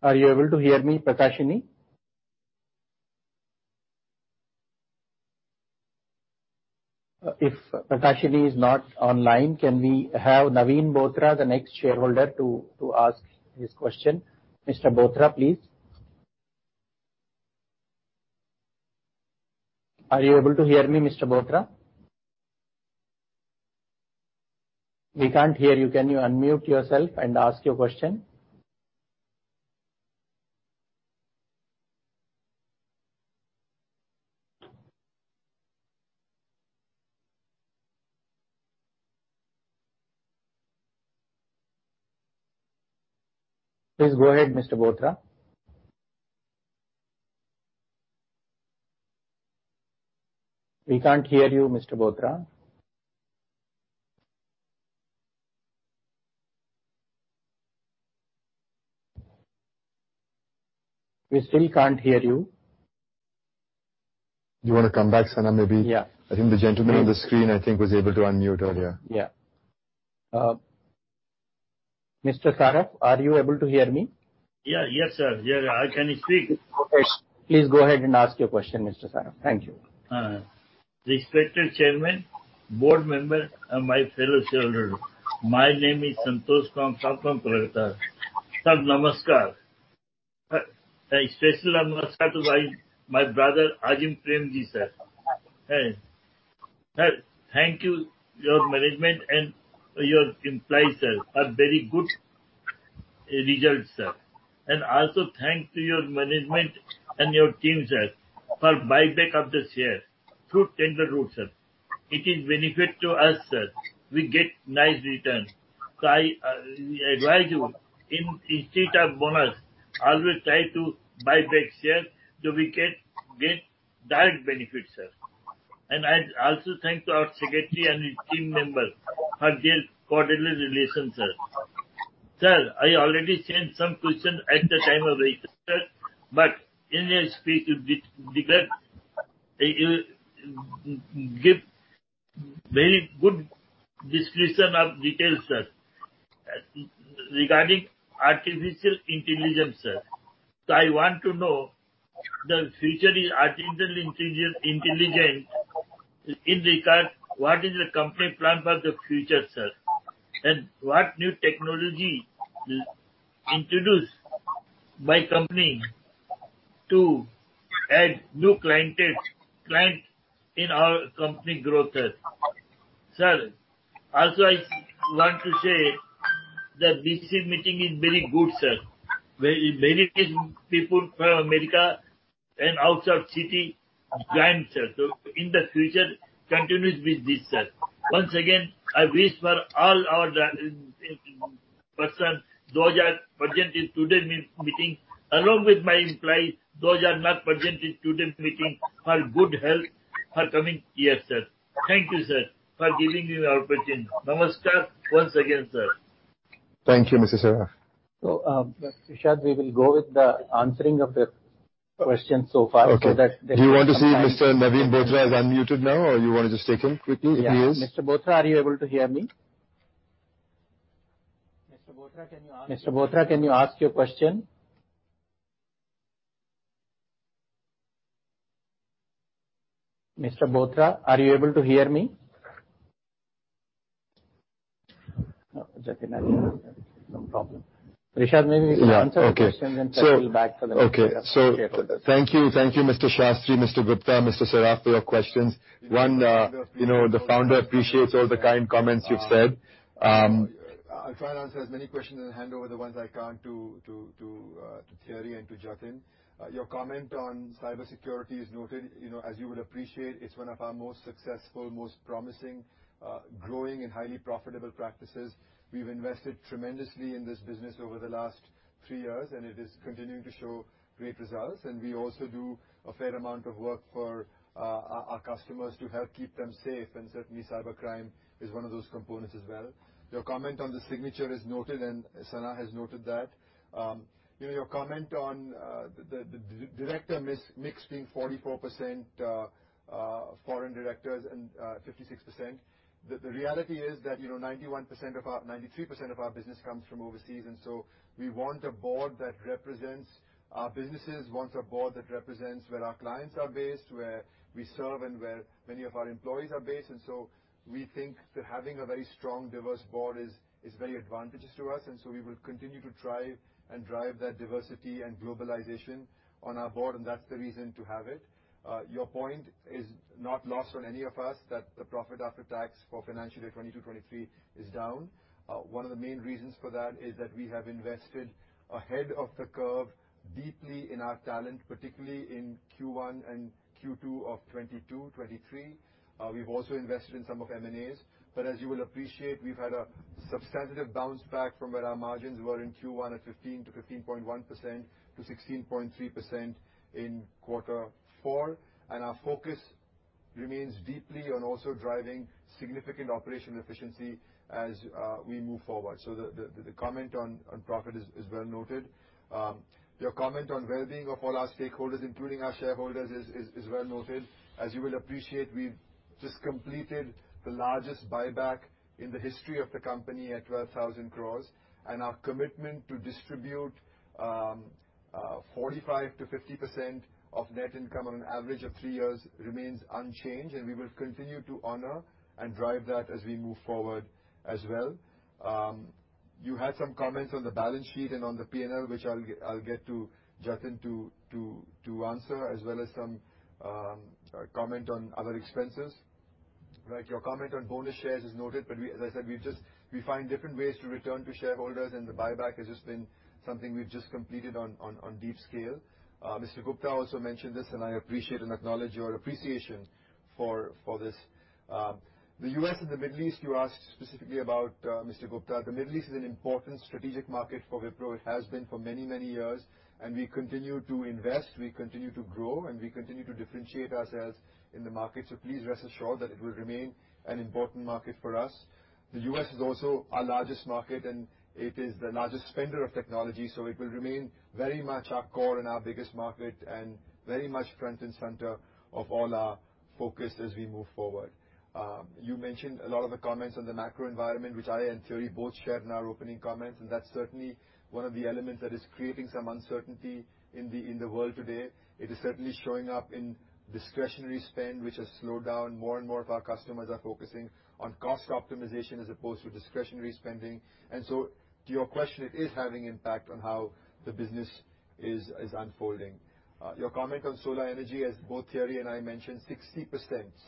Are you able to hear me, Prakashini? If Prakashini is not online, can we have Naveen Bothra, the next shareholder, to ask his question? Mr. Bothra, please. Are you able to hear me, Mr. Bothra? We can't hear you. Can you unmute yourself and ask your question? Please go ahead, Mr. Bothra. We can't hear you, Mr. Bothra. We still can't hear you. You want to come back, Sana, maybe? Yeah. I think the gentleman on the screen, I think, was able to unmute earlier. Yeah. Mr. Saraf, are you able to hear me? Yeah. Yes, sir. Yeah, I can speak. Okay. Please go ahead and ask your question, Mr. Saraf. Thank you. Respected Chairman, board member, and my fellow shareholder, my name is Santosh Kumar Saraf. Sir, namaskar. A special namaskar to my brother, Azim Premji, sir. Sir, thank you, your management and your employees, sir, are very good results, sir. Also, thanks to your management and your team, sir, for buyback of the share through tender route, sir. It is benefit to us, sir. We get nice return. I, we advise you, instead of bonus, always try to buy back share so we get direct benefit, sir. I also thank to our secretary and his team members for their cordial relation, sir. Sir, I already sent some question at the time of register, but in your speech, you give very good description of detail, sir, regarding artificial intelligence, sir. I want to know, the future in artificial intelligence, in regard, what is the company plan for the future, sir? What new technology will introduce my company to add new clientage, client in our company growth, sir? Sir, also, I want to say the BC meeting is very good, sir. Very, many people from America and outside city joined, sir. In the future, continuous with this, sir. Once again, I wish for all our person, those are present in today meeting, along with my employees, those are not present in today's meeting, for good health for coming year, sir. Thank you, sir, for giving me the opportunity. Namaskar, once again, sir. Thank you, Mr. Saraf. Rishad, we will go with the answering of the questions so far. Okay. So that- Do you want to see if Mr. Naveen Bothra is unmuted now, or you want to just take him quickly if he is? Yeah. Mr. Bothra, are you able to hear me? Mr. Bothra, can you ask your question? Mr. Bothra, are you able to hear me? No, Jatin, I think no problem. Rishad, maybe- Yeah. answer the questions and then we'll back for the next. Okay. Thank you, Mr. Shastri, Mr. Gupta, Mr. Saraf, for your questions. One, you know, the founder appreciates all the kind comments you've said. I'll try and answer as many questions and hand over the ones I can't to Thierry and to Jatin. Your comment on cybersecurity is noted. You know, as you would appreciate, it's one of our most successful, most promising, growing and highly profitable practices. We've invested tremendously in this business over the last three years, and it is continuing to show great results. We also do a fair amount of work for our customers to help keep them safe, and certainly, cybercrime is one of those components as well. Your comment on the signature is noted, and Sana has noted that. You know, your comment on the director mix being 44% foreign directors and 56%. The reality is that, you know, 93% of our business comes from overseas, we want a board that represents our businesses, wants a board that represents where our clients are based, where we serve, and where many of our employees are based. We think that having a very strong, diverse board is very advantageous to us, we will continue to try and drive that diversity and globalization on our board, and that's the reason to have it. Your point is not lost on any of us, that the profit after tax for financial year 2022-2023 is down. One of the main reasons for that is that we have invested ahead of the curve, deeply in our talent, particularly in Q1 and Q2 of 2022, 2023. We've also invested in some of M&As. As you will appreciate, we've had a substantive bounce back from where our margins were in Q1 at 15%-15.1% to 16.3% in Q4. Our focus remains deeply on also driving significant operational efficiency as we move forward. The comment on profit is well noted. Your comment on wellbeing of all our stakeholders, including our shareholders, is well noted. As you will appreciate, we've just completed the largest buyback in the history of the company at 12,000 crore. Our commitment to distribute 45%-50% of net income on an average of three years remains unchanged, and we will continue to honor and drive that as we move forward as well. You had some comments on the balance sheet and on the P&L, which I'll get to Jatin to answer, as well as some comment on other expenses. Right. Your comment on bonus shares is noted, but as I said, we find different ways to return to shareholders, and the buyback has just been something we've just completed on deep scale. Mr. Gupta also mentioned this, and I appreciate and acknowledge your appreciation for this. The U.S. and the Middle East, you asked specifically about Mr. Gupta. The Middle East is an important strategic market for Wipro. It has been for many, many years, and we continue to invest, we continue to grow, and we continue to differentiate ourselves in the market. Please rest assured that it will remain an important market for us. The U.S. is also our largest market, and it is the largest spender of technology, so it will remain very much our core and our biggest market and very much front and center of all our focus as we move forward. You mentioned a lot of the comments on the macro environment, which I and Thierry both shared in our opening comments, that's certainly one of the elements that is creating some uncertainty in the world today. It is certainly showing up in discretionary spend, which has slowed down. More and more of our customers are focusing on cost optimization as opposed to discretionary spending. To your question, it is having impact on how the business is unfolding. Your comment on solar energy, as both Thierry and I mentioned, 60%.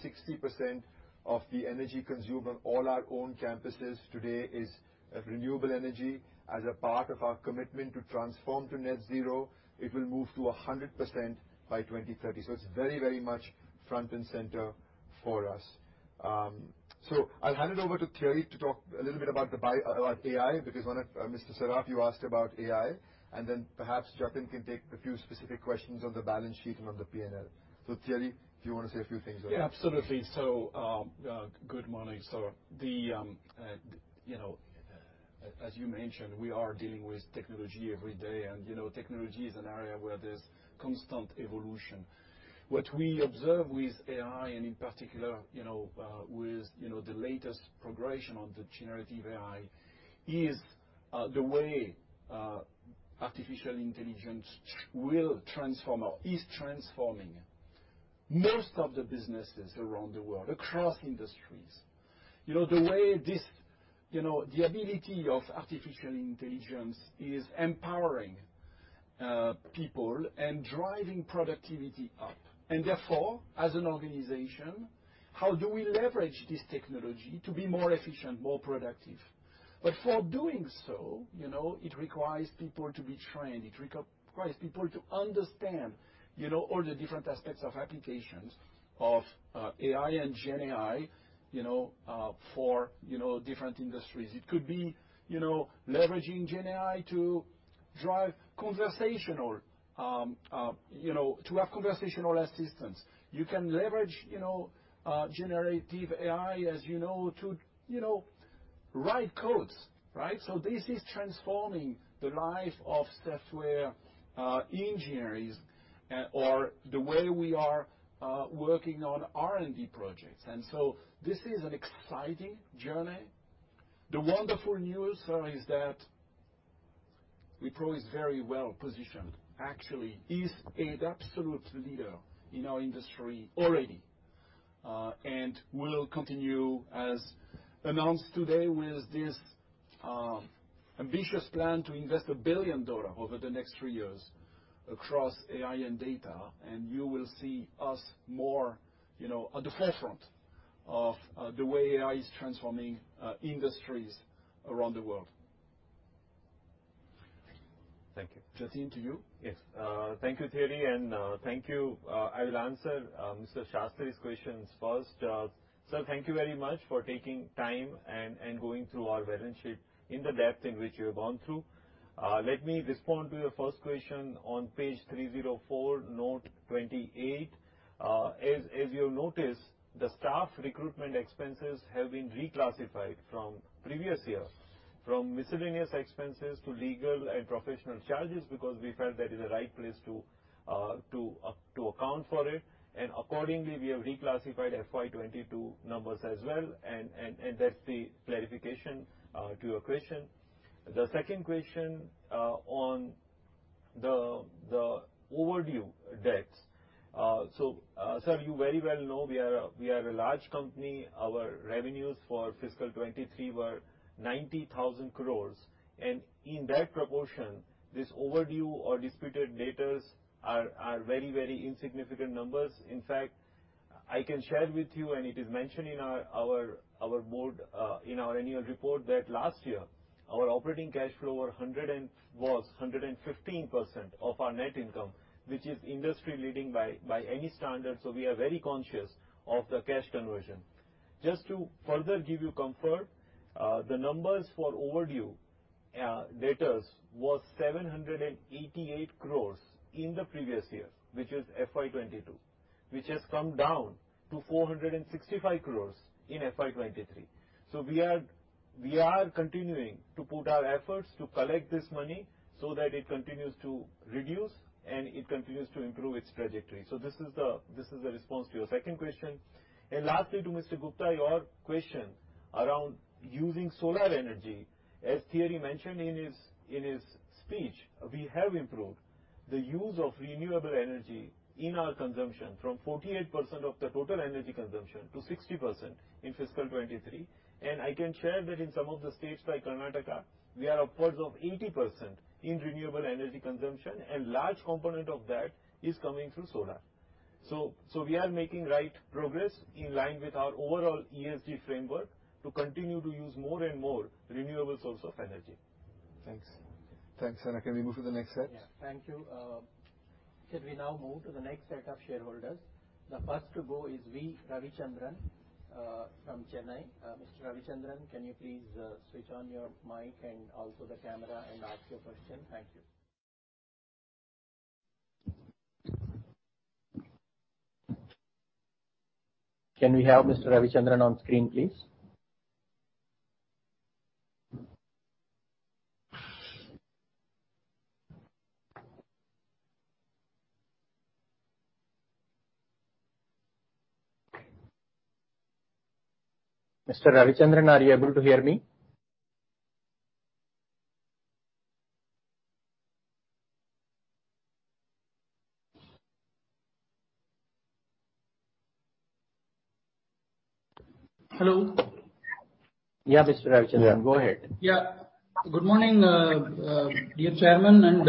60% of the energy consumed on all our own campuses today is renewable energy. As a part of our commitment to transform to net zero, it will move to 100% by 2030. It's very, very much front and center for us. I'll hand it over to Thierry to talk a little bit about AI, because Mr. Saraf, you asked about AI, and then perhaps Jatin can take a few specific questions on the balance sheet and on the P&L. Thierry, do you want to say a few things on AI? Yeah, absolutely. Good morning. The, you know, as you mentioned, we are dealing with technology every day, and, you know, technology is an area where there's constant evolution. What we observe with AI, and in particular, you know, with, you know, the latest progression of the generative AI, is the way artificial intelligence will transform or is transforming most of the businesses around the world, across industries. You know, the ability of artificial intelligence is empowering people and driving productivity up. Therefore, as an organization, how do we leverage this technology to be more efficient, more productive? For doing so, you know, it requires people to be trained. It requires people to understand, you know, all the different aspects of applications of AI and GenAI, you know, for, you know, different industries. It could be, you know, leveraging GenAI to.... drive conversational, you know, to have conversational assistance. You can leverage, you know, generative AI, as you know, to write codes, right? This is transforming the life of software engineers or the way we are working on R&D projects. This is an exciting journey. The wonderful news, sir, is that Wipro is very well positioned. Actually, is an absolute leader in our industry already, and will continue, as announced today, with this ambitious plan to invest $1 billion over the next three years across AI and data, and you will see us more, you know, at the forefront of the way AI is transforming industries around the world. Thank you. Jatin, to you. Yes. thank you, Thierry, and thank you. I will answer Mr. Shastri's questions first. Sir, thank you very much for taking time and going through our balance sheet in the depth in which you have gone through. Let me respond to your first question on page 304, note 28. As you have noticed, the staff recruitment expenses have been reclassified from previous years, from miscellaneous expenses to legal and professional charges, because we felt that is the right place to account for it. Accordingly, we have reclassified FY 2022 numbers as well, and that's the clarification to your question. The second question on the overdue debts. Sir, you very well know we are a large company. Our revenues for fiscal 2023 were 90,000 crores. In that proportion, this overdue or disputed debtors are very insignificant numbers. In fact, I can share with you, and it is mentioned in our board in our annual report, that last year, our operating cash flow was 115% of our net income, which is industry leading by any standard. We are very conscious of the cash conversion. Just to further give you comfort, the numbers for overdue debtors was 788 crores in the previous year, which is FY 2022, which has come down to 465 crores in FY 2023. We are continuing to put our efforts to collect this money so that it continues to reduce, and it continues to improve its trajectory. This is the, this is the response to your second question. Lastly, to Mr. Gupta, your question around using solar energy. As Thierry mentioned in his speech, we have improved the use of renewable energy in our consumption, from 48% of the total energy consumption to 60% in fiscal 2023. I can share that in some of the states, like Karnataka, we are upwards of 80% in renewable energy consumption, and large component of that is coming through solar. We are making right progress in line with our overall ESG framework to continue to use more and more renewable source of energy. Thanks. Thanks, sir. Can we move to the next set? Yeah, thank you. Can we now move to the next set of shareholders? The first to go is V. Ravichandran, from Chennai. Mr. Ravichandran, can you please switch on your mic and also the camera and ask your question? Thank you. Can we have Mr. Ravichandran on screen, please? Mr. Ravichandran, are you able to hear me? Hello. Yeah, Mr. Ravichandran. Yeah. Go ahead. Good morning, dear Chairman, and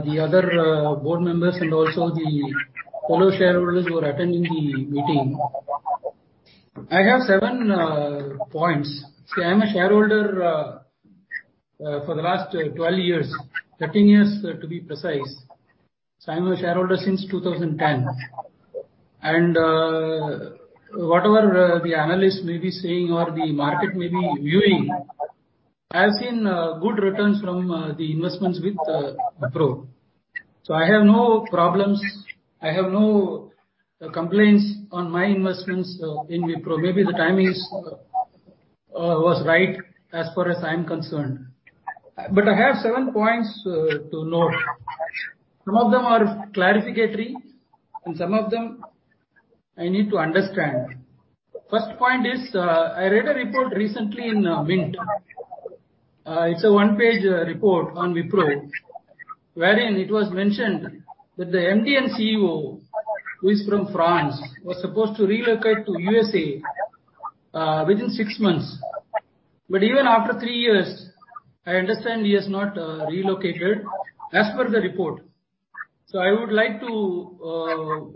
the other board members, and also the fellow shareholders who are attending the meeting. I have seven points. I'm a shareholder for the last 12 years, 13 years, to be precise. I'm a shareholder since 2010. Whatever the analyst may be saying or the market may be viewing, I've seen good returns from the investments with Wipro. I have no problems, I have no complaints on my investments in Wipro. Maybe the timing is was right as far as I am concerned. I have seven points to note. Some of them are clarificatory, and some of them I need to understand. First point is I read a report recently in Mint. It's a 1-page report on Wipro, wherein it was mentioned that the MD and CEO, who is from France, was supposed to relocate to USA within six months. Even after three years, I understand he has not relocated, as per the report. I would like to.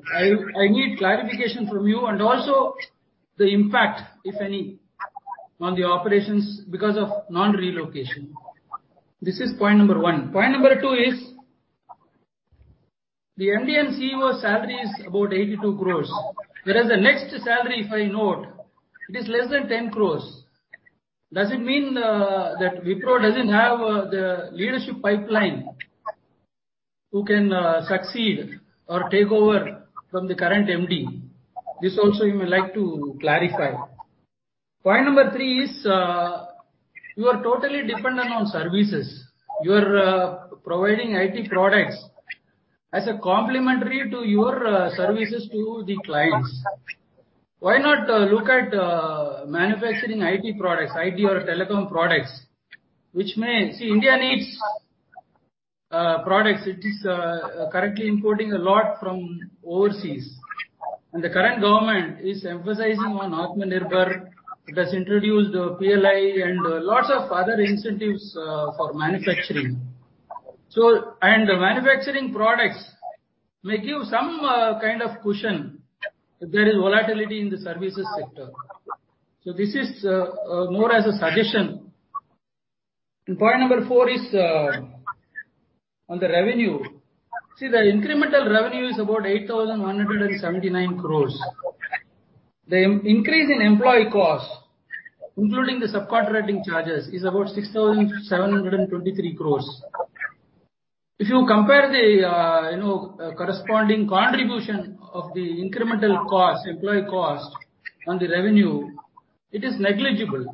I need clarification from you, and also the impact, if any, on the operations because of non-relocation. This is point number one. Point number two is, the Indian CEO salary is about 82 crores, whereas the next salary, if I note, it is less than 10 crores. Does it mean that Wipro doesn't have the leadership pipeline who can succeed or take over from the current MD? This also you may like to clarify. Point number three is, you are totally dependent on services. You are providing IT products as a complementary to your services to the clients. Why not look at manufacturing IT products, IT or telecom products, which may. India needs products. It is currently importing a lot from overseas, and the current government is emphasizing on Atmanirbhar. It has introduced PLI and lots of other incentives for manufacturing. Manufacturing products may give some kind of cushion if there is volatility in the services sector. This is more as a suggestion. Point number four is on the revenue. The incremental revenue is about 8,179 crores. The increase in employee cost, including the subcontracting charges, is about 6,723 crores. If you compare the, you know, corresponding contribution of the incremental cost, employee cost on the revenue, it is negligible.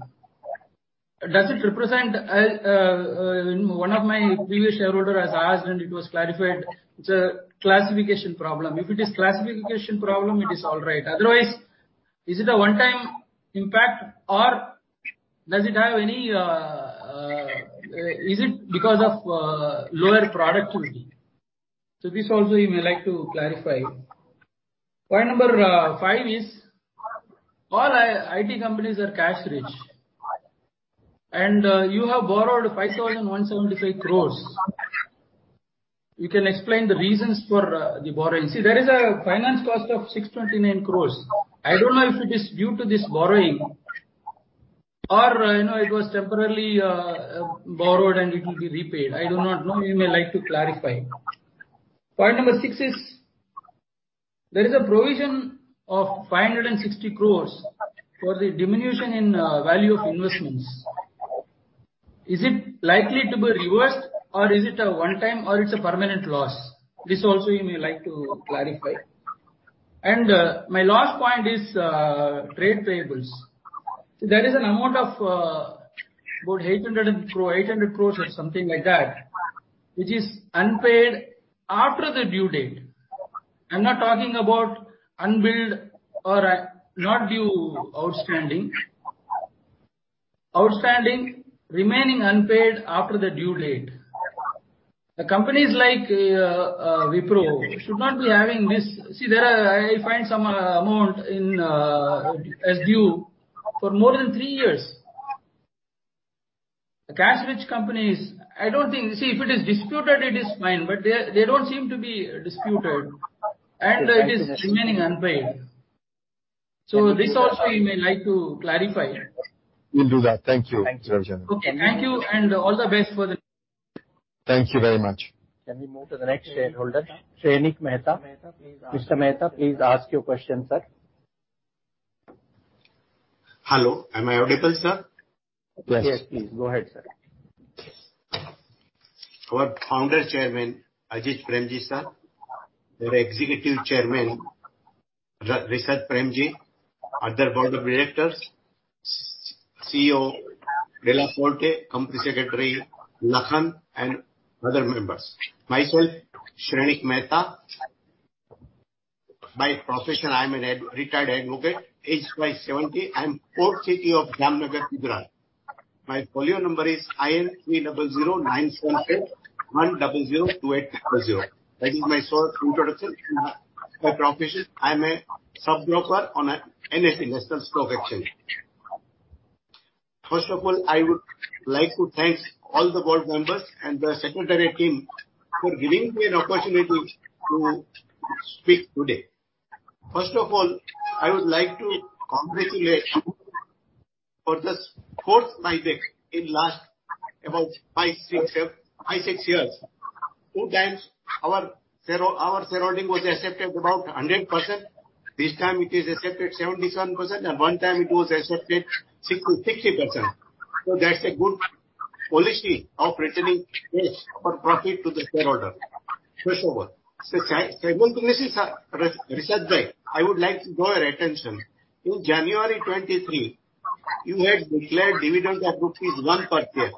Does it represent one of my previous shareholder has asked, and it was clarified, it's a classification problem. If it is classification problem, it is all right. Otherwise, is it a one-time impact, or does it have any, is it because of lower productivity? This also you may like to clarify. Point number five is all IT companies are cash rich, and you have borrowed 5,175 crores. You can explain the reasons for the borrowing. There is a finance cost of 629 crores. I don't know if it is due to this borrowing or, you know, it was temporarily borrowed and it will be repaid. I do not know. You may like to clarify. Point number six is there is a provision of 560 crores for the diminution in value of investments. Is it likely to be reversed, or is it a one-time, or it's a permanent loss? This also you may like to clarify. My last point is trade payables. There is an amount of about 800 crores or something like that, which is unpaid after the due date. I'm not talking about unbilled or not due outstanding. Outstanding, remaining unpaid after the due date. The companies like Wipro should not be having this. See, I find some amount as due for more than three years. The cash-rich companies, I don't think. See, if it is disputed, it is fine, but they don't seem to be disputed, and it is remaining unpaid. This also you may like to clarify. We'll do that. Thank you. Okay, thank you, and all the best. Thank you very much. Can we move to the next shareholder, Shrenik Mehta? Mr. Mehta, please ask your question, sir. Hello, am I audible, sir? Yes. Yes, please. Go ahead, sir. Our founder, Chairman Azim Premji, sir, our Executive Chairman Rishad Premji, other Board of Directors, CEO Thierry Delaporte, Company Secretary Sanaullah Khan, and other members. Myself, Shrenik Mehta. By profession, I'm a retired advocate, age wise, 70. I'm port city of Jamnagar, Gujarat. My folio number is IN300978100280. That is my short introduction. My profession, I'm a stock broker on a NSE, National Stock Exchange. First of all, I would like to thank all the board members and the secretariat team for giving me an opportunity to speak today. First of all, I would like to congratulate for the fourth buyback in last about five to six years. Two times our shareholding was accepted about 100%. This time it is accepted 77%, and one time it was accepted 60%. That's a good policy of returning cash or profit to the shareholder, first of all. Second one, this is Rishad bai, I would like to draw your attention. In January 2023, you had declared dividends of rupees 1 per share,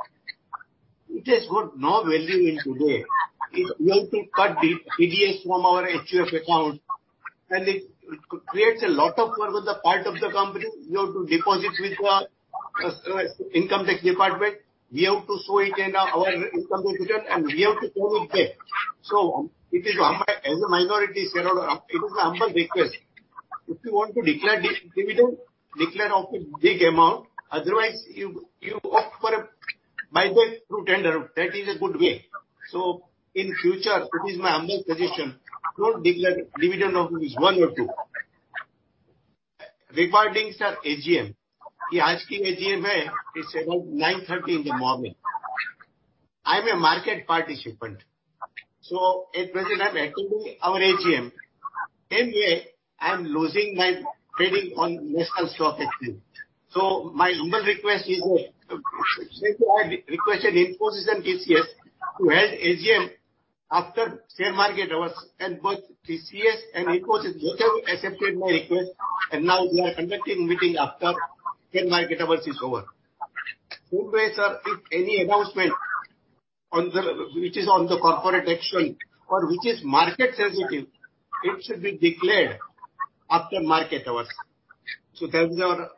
which has got no value in today. It will to cut the TDS from our HUF account, and it creates a lot of work on the part of the company. We have to deposit with the income tax department. We have to show it in our income tax return, and we have to pay it back. It is our, as a minority shareholder, it is my humble request, if you want to declare dividend, declare of a big amount. Otherwise, you opt for a buyback through tender. That is a good way. In future, it is my humble suggestion, don't declare dividend of 1 or 2. Regarding, sir, AGM. The asking AGM is around 9:30 A.M. in the morning. I'm a market participant, so if I'm attending our AGM, same way, I'm losing my trading on National Stock Exchange. My humble request is that I requested Infosys and TCS to hold AGM after share market hours, and both TCS and Infosys both have accepted my request, and now we are conducting meeting after share market hours is over. Good way, sir, if any announcement on the, which is on the corporate action or which is market sensitive, it should be declared after market hours. That is your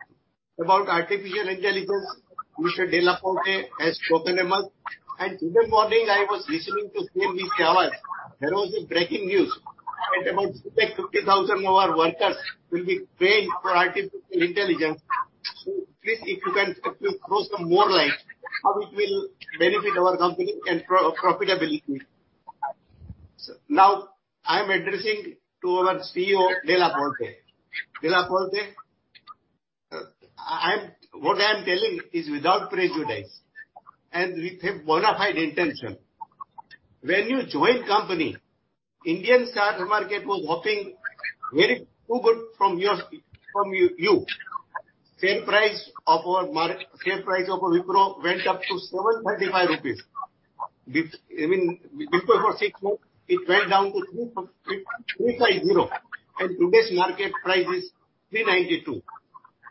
about artificial intelligence, Mr. Thierry Delaporte, has spoken about. Today morning I was listening to CNN News Hour, there was a breaking news that about 50,000 of our workers will be trained for artificial intelligence. Please, if you throw some more light, how it will benefit our company and pro-profitability. Now I'm addressing to our CEO, Thierry Delaporte. Thierry Delaporte, what I'm telling is without prejudice and with a bona fide intention. When you joined company, Indian stock market was hoping very too good from you. Share price of Wipro went up to 735 rupees. I mean, before for six months, it went down to 350 rupees, and today's market price is 392 rupees.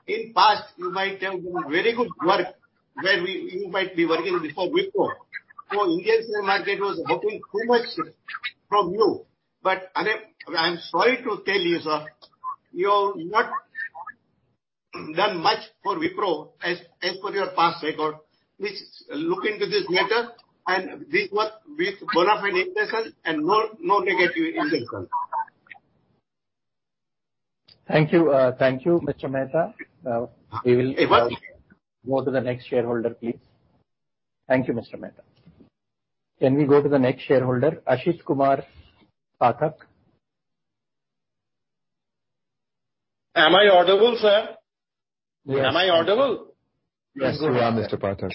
In past, you might have done very good work where you might be working before Wipro. Indian share market was hoping too much from you. I'm sorry to tell you, sir, you have not done much for Wipro as per your past record. Please, look into this matter, this was with bona fide intention and no negative intention. Thank you. Thank you, Mr. Mehta. You're welcome. go to the next shareholder, please. Thank you, Mr. Shrenik Mehta. Can we go to the next shareholder, Ashit Kumar Pathak? Am I audible, sir? Yes. Am I audible? Yes, you are, Mr. Pathak.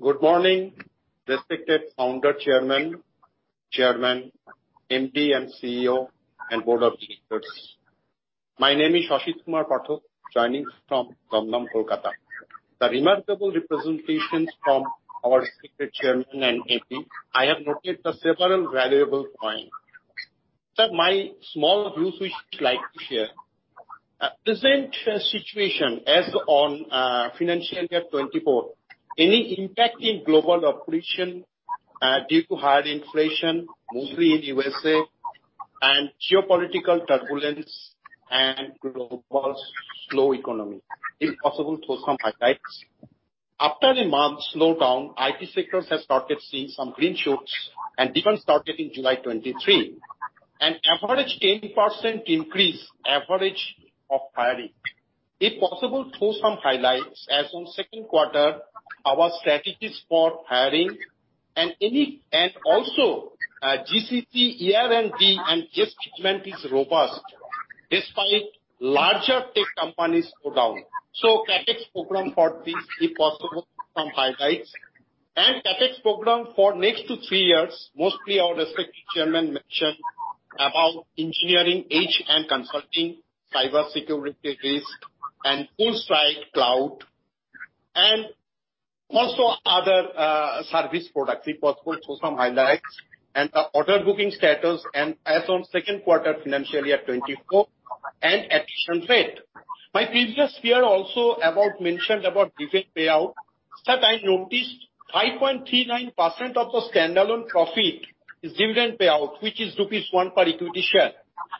Good morning, respected founder, chairman, MD and CEO, and Board of Directors. My name is Ashit Kumar Pathak, joining from Kolkata. The remarkable representations from our respected chairman and MD, I have noted the several valuable points. Sir, my small views which I'd like to share. Present situation as on financial year 24, any impact in global operation due to higher inflation, mostly in USA, and geopolitical turbulence and global slow economy, if possible, throw some highlights. After a month slowdown, IT sectors have started seeing some green shoots, and different started in July 2023. An average 10% increase, average of hiring. If possible, throw some highlights as on second quarter, our strategies for hiring and any... Also, GCC, ER&D, and GS treatment is robust despite larger tech companies go down. CapEx program for this, if possible, some highlights. CapEx program for next to three years, mostly our respected Chairman mentioned about Engineering, and Consulting, cybersecurity risk, and FullStride Cloud, and also other service products. If possible, throw some highlights and the order booking status, as on second quarter, financial year 2024 and attrition rate. My previous speaker also mentioned about dividend payout. Sir, I noticed high 0.39% of the standalone profit is dividend payout, which is rupees 1 per equity share,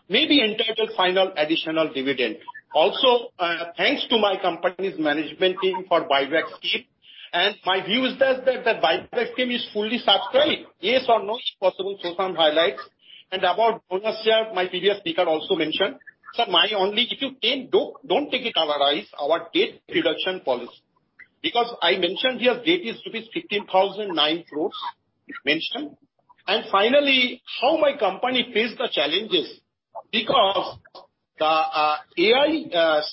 may be entitled final additional dividend. Also, thanks to my company's management team for buyback scheme, and my view is that the buyback scheme is fully subscribed. Yes or no, if possible, throw some highlights. About bonus year, my previous speaker also mentioned. Sir, my only issue, don't take it colorize our debt reduction policy. I mentioned here, debt is 15,009 crores, it's mentioned. Finally, how my company face the challenges? The AI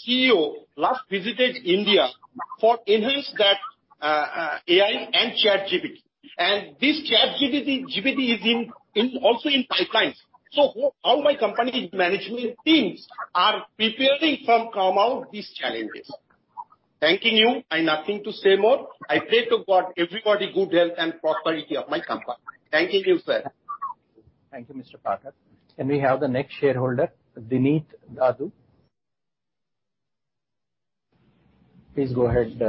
CEO last visited India for enhance that AI and ChatGPT, and this ChatGPT, GPT is in also in pipelines. How my company's management teams are preparing from come out these challenges? Thanking you. I nothing to say more. I pray to God, everybody, good health and prosperity of my company. Thanking you, sir. Thank you, Mr. Pathak. Can we have the next shareholder, Dineet Dadu? Please go ahead,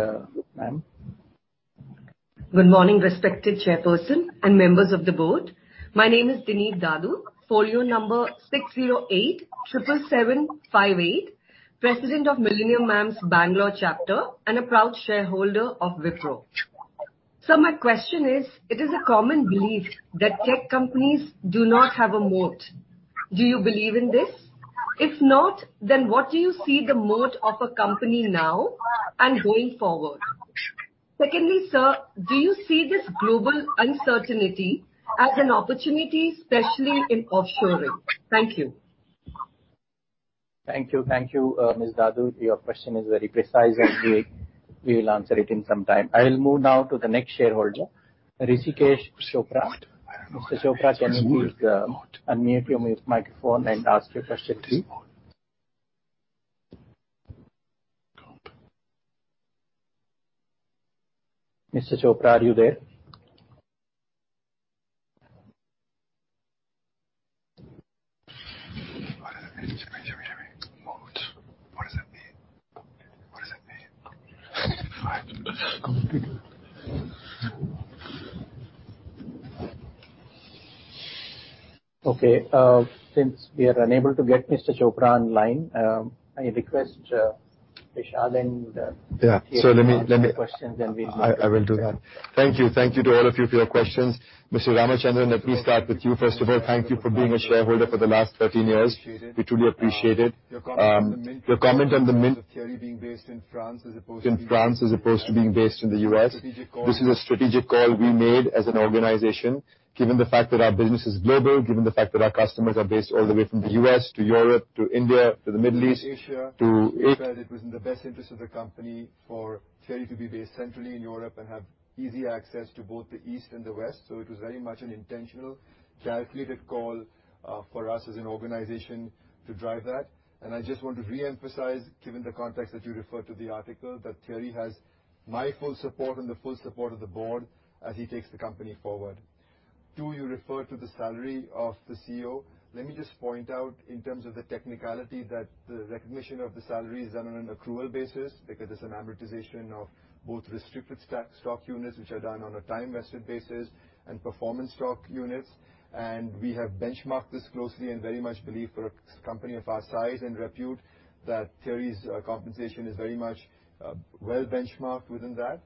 ma'am. Good morning, respected chairperson and members of the board. My name is Dineet Dadu, folio number 60877758, president of Millennium Mams' Bangalore chapter and a proud shareholder of Wipro. My question is: It is a common belief that tech companies do not have a moat. Do you believe in this? If not, then what do you see the moat of a company now and going forward? Secondly, sir, do you see this global uncertainty as an opportunity, especially in offshoring? Thank you. Thank you. Thank you, Ms. Dadu. Your question is very precise. We will answer it in some time. I will move now to the next shareholder, Rishikesh Chopra. Mr. Chopra, can you please unmute your microphone and ask your question, please? Mr. Chopra, are you there? Okay, since we are unable to get Mr. Chopra online, I request Rishad. Yeah. let me Questions, then. I will do that. Thank you. Thank you to all of you for your questions. Mr. Ravichandran, let me start with you. First of all, thank you for being a shareholder for the last 13 years. We truly appreciate it. Your comment on the Thierry being based in France as opposed to- In France, as opposed to being based in the U.S. Strategic call. This is a strategic call we made as an organization, given the fact that our business is global, given the fact that our customers are based all the way from the U.S. to Europe to India to the Middle East- Asia. -to It was in the best interest of the company for Thierry to be based centrally in Europe and have easy access to both the East and the West. It was very much an intentional, calculated call for us as an organization to drive that. I just want to reemphasize, given the context that you referred to the article, that Thierry has my full support and the full support of the Board as he takes the company forward. Two, you referred to the salary of the CEO. Let me just point out in terms of the technicality, that the recognition of the salary is done on an accrual basis, because it's an amortization of both restricted stock units, which are done on a time-vested basis, and performance stock units. We have benchmarked this closely and very much believe for a company of our size and repute, that Thierry's compensation is very much well-benchmarked within that.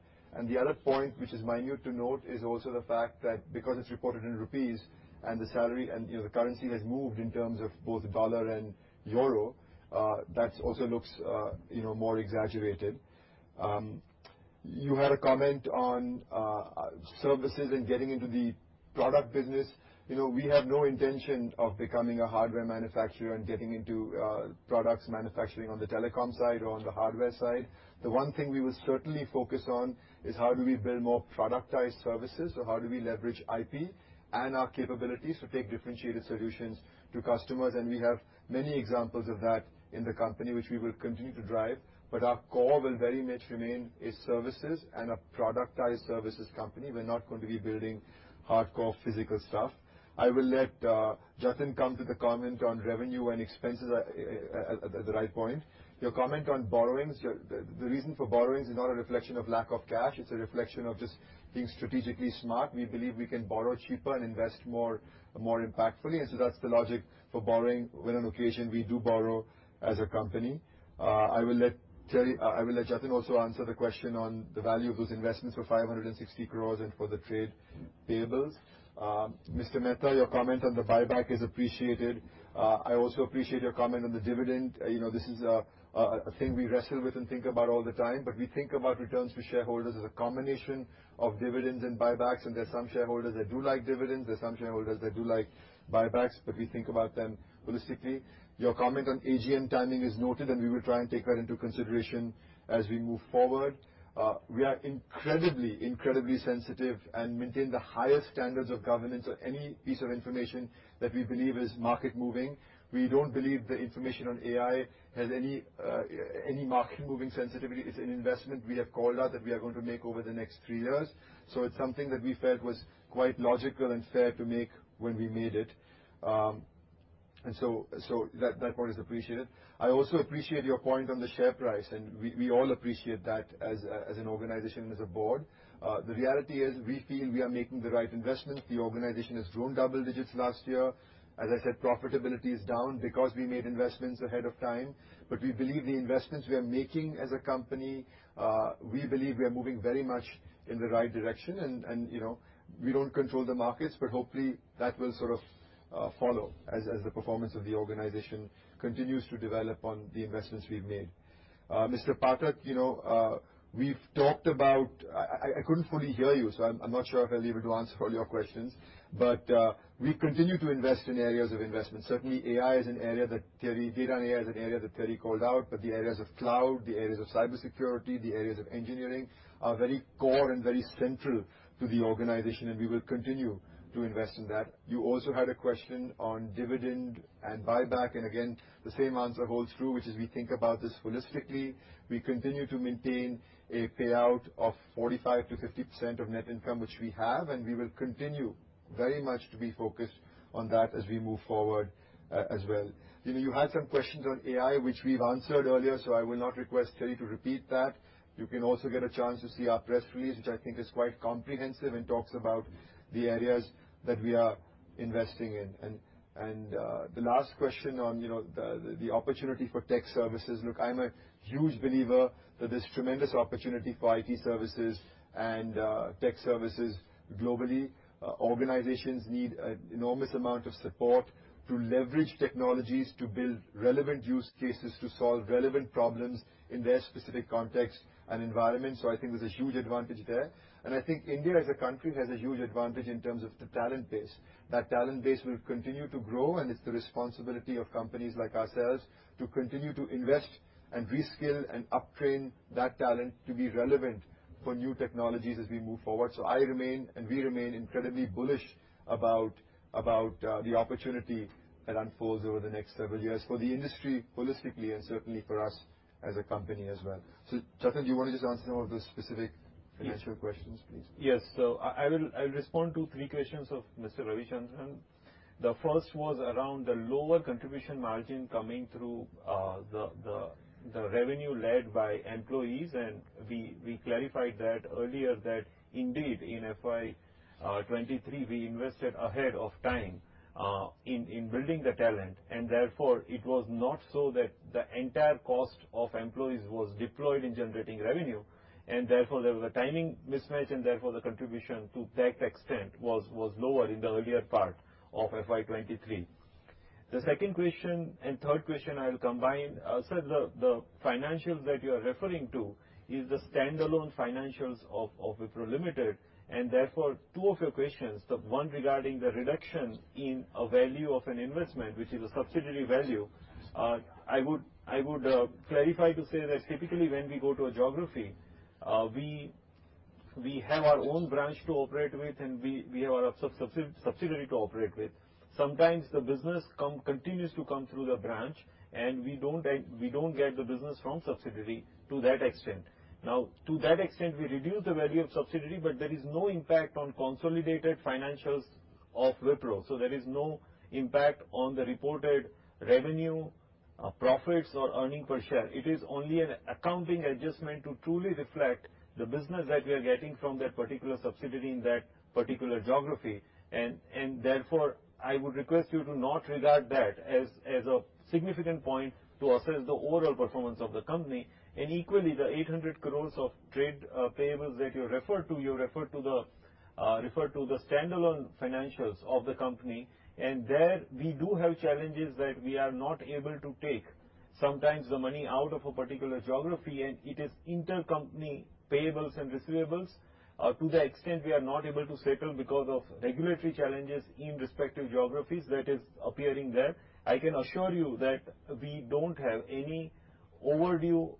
The other point, which is minute to note, is also the fact that because it's reported in INR and the salary and, you know, the currency has moved in terms of both dollar and euro, that also looks, you know, more exaggerated. You had a comment on services and getting into the product business. You know, we have no intention of becoming a hardware manufacturer and getting into products manufacturing on the telecom side or on the hardware side. The one thing we will certainly focus on is how do we build more productized services, or how do we leverage IP and our capabilities to take differentiated solutions to customers. We have many examples of that in the company, which we will continue to drive, but our core will very much remain is services and a productized services company. We're not going to be building hardcore physical stuff. I will let Jatin come to the comment on revenue and expenses at the right point. Your comment on borrowings. The reason for borrowings is not a reflection of lack of cash, it's a reflection of just being strategically smart. We believe we can borrow cheaper and invest more impactfully, that's the logic for borrowing when on occasion we do borrow as a company. I will let Jatin also answer the question on the value of those investments for 560 crore and for the trade payables. Mr. Mehta, your comment on the buyback is appreciated. I also appreciate your comment on the dividend. You know, this is a thing we wrestle with and think about all the time, but we think about returns to shareholders as a combination of dividends and buybacks. There are some shareholders that do like dividends, there are some shareholders that do like buybacks, but we think about them holistically. Your comment on AGM timing is noted, and we will try and take that into consideration as we move forward. We are incredibly sensitive and maintain the highest standards of governance on any piece of information that we believe is market-moving. We don't believe the information on AI has any market-moving sensitivity. It's an investment we have called out that we are going to make over the next three years. It's something that we felt was quite logical and fair to make when we made it. That part is appreciated. I also appreciate your point on the share price, and we all appreciate that as an organization and as a board. The reality is, we feel we are making the right investments. The organization has grown double digits last year. As I said, profitability is down because we made investments ahead of time, but we believe the investments we are making as a company, we believe we are moving very much in the right direction. you know, we don't control the markets, but hopefully that will sort of follow as the performance of the organization continues to develop on the investments we've made. Mr. Pathak, you know, we've talked about... I couldn't fully hear you, so I'm not sure if I'll be able to answer all your questions. We continue to invest in areas of investment. Certainly, AI is an area that data and AI is an area that Thierry called out, but the areas of cloud, the areas of cybersecurity, the areas of engineering, are very core and very central to the organization, and we will continue to invest in that. You also had a question on dividend and buyback. Again, the same answer holds true, which is we think about this holistically. We continue to maintain a payout of 45%-50% of net income, which we have, and we will continue very much to be focused on that as we move forward, as well. You know, you had some questions on AI, which we've answered earlier, so I will not request Thierry to repeat that. You can also get a chance to see our press release, which I think is quite comprehensive and talks about the areas that we are investing in. The last question on, you know, the opportunity for tech services. Look, I'm a huge believer that there's tremendous opportunity for IT services and tech services globally. Organizations need an enormous amount of support to leverage technologies, to build relevant use cases, to solve relevant problems in their specific context and environment, so I think there's a huge advantage there. I think India, as a country, has a huge advantage in terms of the talent base. That talent base will continue to grow, and it's the responsibility of companies like ourselves to continue to invest and reskill and uptrain that talent to be relevant for new technologies as we move forward. I remain, and we remain, incredibly bullish about the opportunity that unfolds over the next several years for the industry holistically and certainly for us as a company as well. Jatin do you want to just answer some of the specific- Yes. financial questions, please? Yes. I will respond to three questions of Mr. Ravichandran. The first was around the lower contribution margin coming through the revenue led by employees, and we clarified that earlier, that indeed, in FY 2023, we invested ahead of time in building the talent, and therefore, it was not so that the entire cost of employees was deployed in generating revenue. Therefore, there was a timing mismatch, and therefore, the contribution to that extent was lower in the earlier part of FY 2023. The second question and third question, I will combine. sir, the financials that you are referring to is the standalone financials of Wipro Limited, and therefore, two of your questions, the one regarding the reduction in a value of an investment, which is a subsidiary value, I would clarify to say that typically when we go to a geography, we have our own branch to operate with, and we have our sub-subsidiary to operate with. Sometimes the business continues to come through the branch, and we don't get the business from subsidiary to that extent. Now, to that extent, we reduce the value of subsidiary, but there is no impact on consolidated financials of Wipro. There is no impact on the reported revenue, profits or earning per share. It is only an accounting adjustment to truly reflect the business that we are getting from that particular subsidiary in that particular geography. Therefore, I would request you to not regard that as a significant point to assess the overall performance of the company. Equally, the 800 crore of trade payables that you referred to, you referred to the standalone financials of the company. There, we do have challenges that we are not able to take sometimes the money out of a particular geography, and it is intercompany payables and receivables. To the extent we are not able to settle because of regulatory challenges in respective geographies, that is appearing there. I can assure you that we don't have any overdue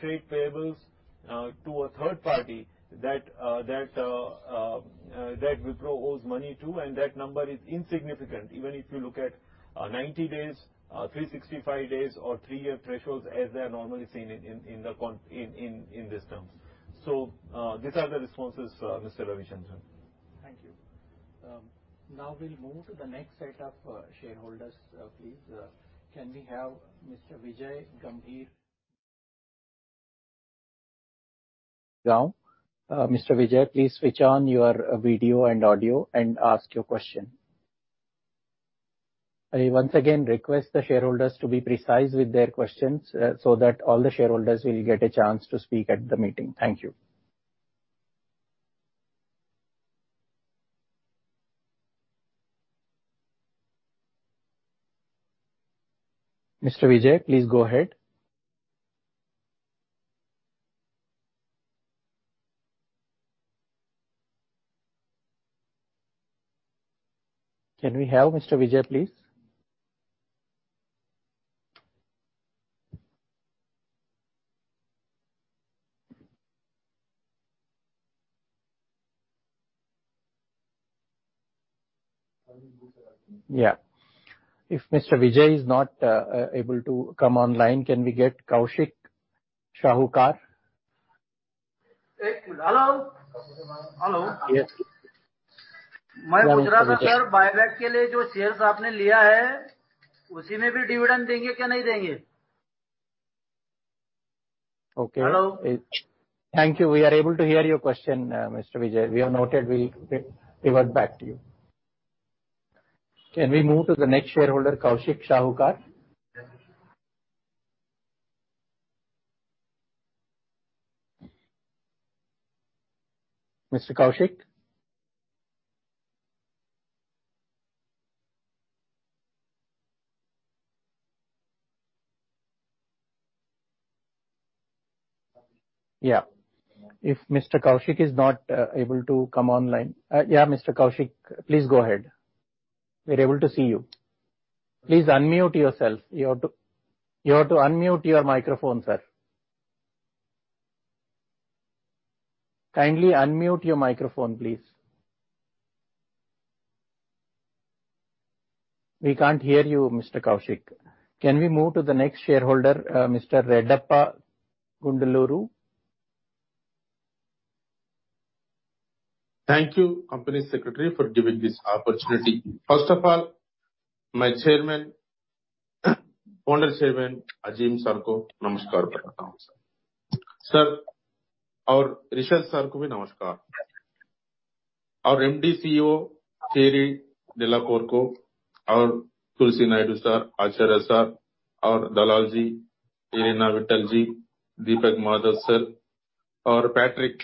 trade payables to a third party that Wipro owes money to, and that number is insignificant. Even if you look at 90 days, 365 days or three-year thresholds, as they are normally seen in these terms. These are the responses, Mr. Ravichandran. Thank you. Now we'll move to the next set of shareholders, please. Can we have Mr. Vijay Gambhir? Mr. Vijay, please switch on your video and audio and ask your question. I once again request the shareholders to be precise with their questions, so that all the shareholders will get a chance to speak at the meeting. Thank you. Mr. Vijay, please go ahead. Can we have Mr. Vijay, please? If Mr. Vijay is not able to come online, can we get Kaushik Shahukar? Hello? Hello. Yes. Okay. Hello. Thank you. We are able to hear your question, Mr. Vijay. We have noted, we'll get revert back to you. Can we move to the next shareholder, Kaushik Shahukar? Mr. Kaushik? If Mr. Kaushik is not able to come online. Mr. Kaushik, please go ahead. We're able to see you. Please unmute yourself. You have to unmute your microphone, sir. Kindly unmute your microphone, please. We can't hear you, Mr. Kaushik. Can we move to the next shareholder, Mr. Redappa Gundalu? Thank you, Company Secretary, for giving this opportunity. First of all, my Chairman, Founder Chairman, Azim Sir, our Rishad sir. Our MD CEO, Thierry Delaporte, ko, our Tulsi Naidu Sir, Acharya Sir, our Dalal Ji, Ireena Vittal Ji, Deepak Madhav Sir, our Patrick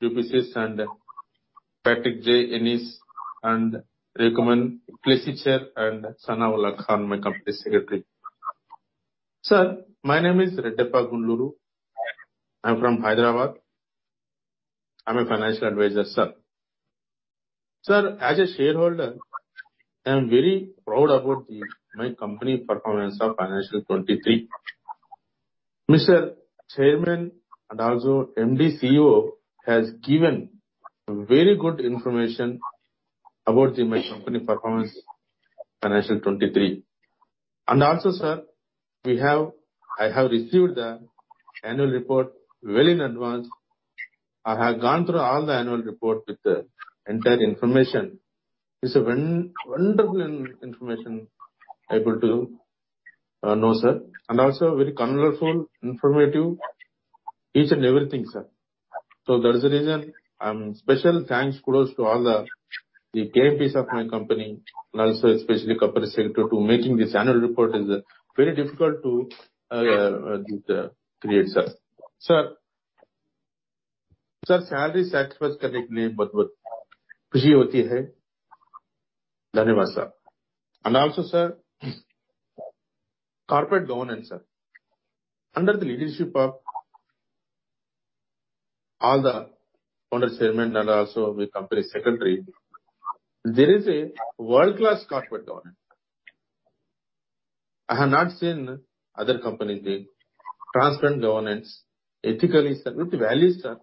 Dupuis and Patrick J. Ennis, and Rekha Menklisicher, and Sanaullah Khan, my Company Secretary. Sir, my name is Redappa Gundalu. I'm from Hyderabad. I'm a financial advisor, sir. Sir, as a shareholder, I am very proud about the, my company performance of financial 2023. Mr. Chairman, MD CEO, has given very good information about the, my company performance, financial 2023. Sir, I have received the annual report well in advance. I have gone through all the annual report with the entire information. It's a wonderful in information, able to know, sir, and also very colorful, informative, each and everything, sir. That is the reason, special thanks goes to all the KMPs of my company, and also especially Company Secretary to making this annual report. It's very difficult to create, sir. Sir, salary sacrifice... Thank you, sir. Also, sir, corporate governance, sir. Under the leadership of all the Founder Chairman and also my Company Secretary, there is a world-class corporate governance. I have not seen other company with transparent governance, ethically, sir, with values, sir.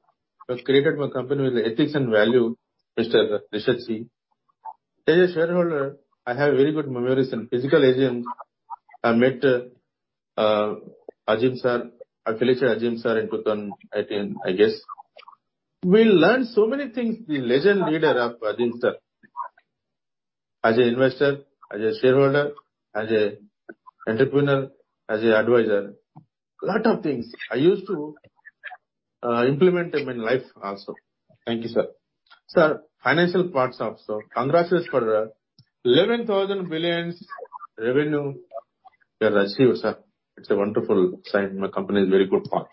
You have created my company with ethics and value, Mr. Rishad Premji. As a shareholder, I have very good memories and physical agents. I met Azim Sir, actually, sir, Azim Sir, in 2018, I guess. We learned so many things, the legend leader of Azim Sir. As a investor, as a shareholder, as a entrepreneur, as a advisor, a lot of things I used to implement in my life also. Thank you, sir. Sir, financial parts of, congratulations for 11,000 billion revenue you have achieved, sir. It's a wonderful sign. My company is very good part.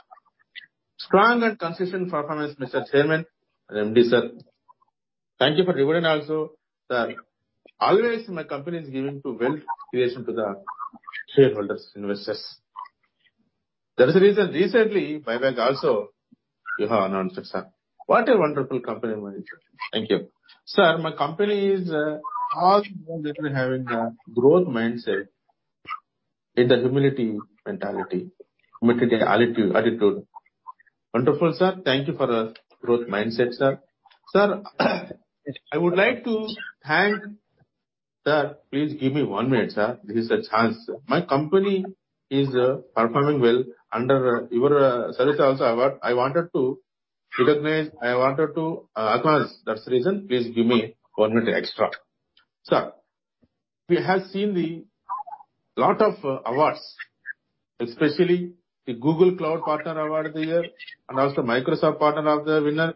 Strong and consistent performance, Mr. Chairman and MD, sir. Thank you for dividend also, sir. Always, my company is giving to wealth creation to the shareholders, investors. That is the reason, recently, my bank also, you have announced it, sir. What a wonderful company, my sir! Thank you. Sir, my company is all literally having a growth mindset and the humility attitude. Wonderful, sir. Thank you for the growth mindset, sir. Sir, I would like to thank. Sir, please give me one minute, sir. This is a chance. My company is performing well under your service. I wanted to recognize, I wanted to acknowledge. That's the reason, please give me one minute extra. Sir, we have seen the lot of awards, especially the Google Cloud Partner of the Year Award, Microsoft Partner of the Year winner,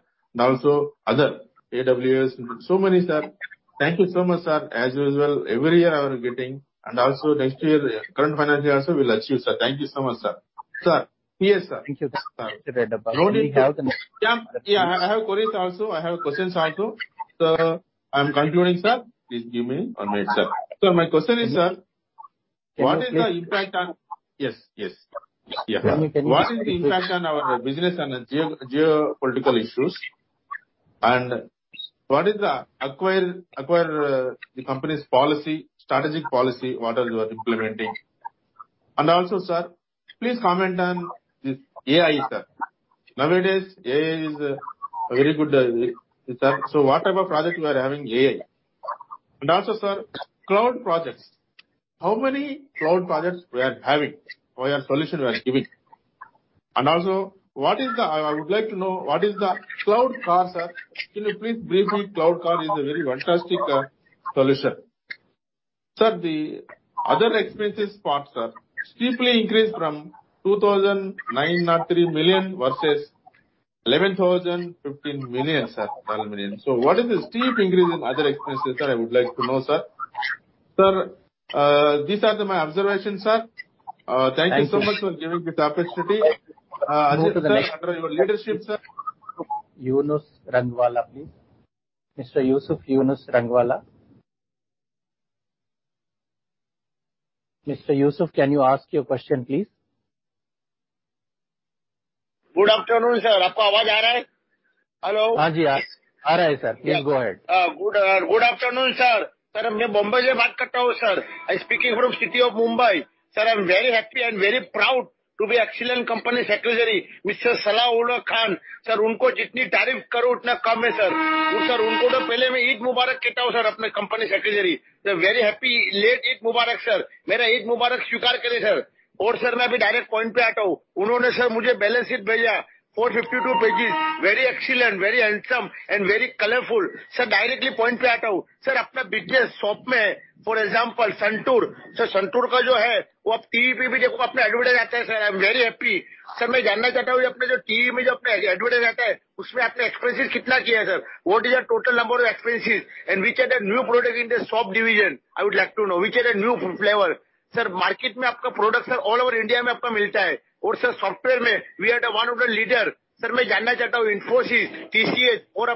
other AWS, so many, sir. Thank you so much, sir. As usual, every year I will getting, next year, current financial year also, we'll achieve, sir. Thank you so much, sir. Sir, yes, sir. Thank you, sir. Yeah, yeah, I have queries also. I have questions also. Sir, I'm concluding, sir. Please give me one minute, sir. My question is, sir, what is the impact on our business and geo, geopolitical issues? What is the acquire, the company's policy, strategic policy, what are you implementing? Also, sir, please comment on this AI, sir. Nowadays, AI is a very good, sir. What type of project you are having, AI? Also, sir, cloud projects. How many cloud projects we are having, or your solution we are giving? Also, I would like to know, what is the Cloud Car, sir? Can you please brief me? Cloud Car is a very fantastic solution. Sir, the other expenses parts are steeply increased from 2,903 million versus 11,015 million, sir. What is the steep increase in other expenses, sir? I would like to know, sir. Sir, these are my observations, Sir. Thank you so much for giving me this opportunity. Azim Sir, under your leadership, Sir. Yunus Rangwala, please. Mr. Yusuf Yunus Rangwala. Mr. Yusuf, can you ask your question, please? Good afternoon, sir. Hello. Hi, sir. Please go ahead. Good, good afternoon, sir. Sir, I'm speaking from city of Mumbai. Sir, I'm very happy and very proud to be excellent Company Secretary, Mr. Sanaullah Khan. Sir, very happy. Late Eid Mubarak, sir. Eid Mubarak, sir. Sir, now be direct point. For 52 pages, very excellent, very handsome, and very colorful. Sir, directly point. Sir, for example, Santur. Sir, Santur, I'm very happy. Sir, what is the total number of experiences and which are the new product in the shop division? I would like to know which are the new flavor. Sir, market, product, sir, all over India. Sir, software, we are the one of the leader. Sir, Infosys, TCS, or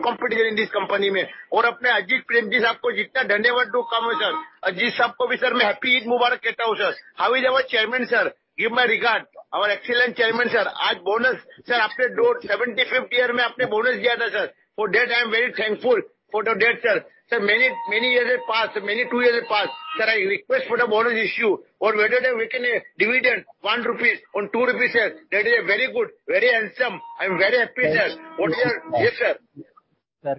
company, in this company, and Azim Premji, thank you very much, sir. Azim, sir, happy Eid Mubarak, sir. How is our Chairman, sir? Give my regard. Our excellent Chairman, sir. Our bonus, sir, 75th year, bonus, sir, for that, I am very thankful for that, sir. Sir, many, many years have passed, many two years have passed, sir, I request for the bonus issue or whether we can a dividend, 1 rupees or 2 rupees, sir. That is a very good, very handsome. I'm very happy, sir. What you are... Yes, sir. Sir.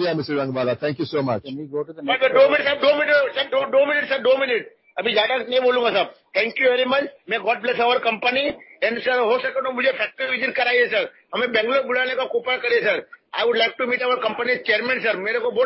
Yes, sir. Thank you so much. Two minutes, sir. Two minutes, sir. Two minutes. Thank you very much. May God bless our company. Sir. I would like to meet our company's Chairman, sir. Thank you.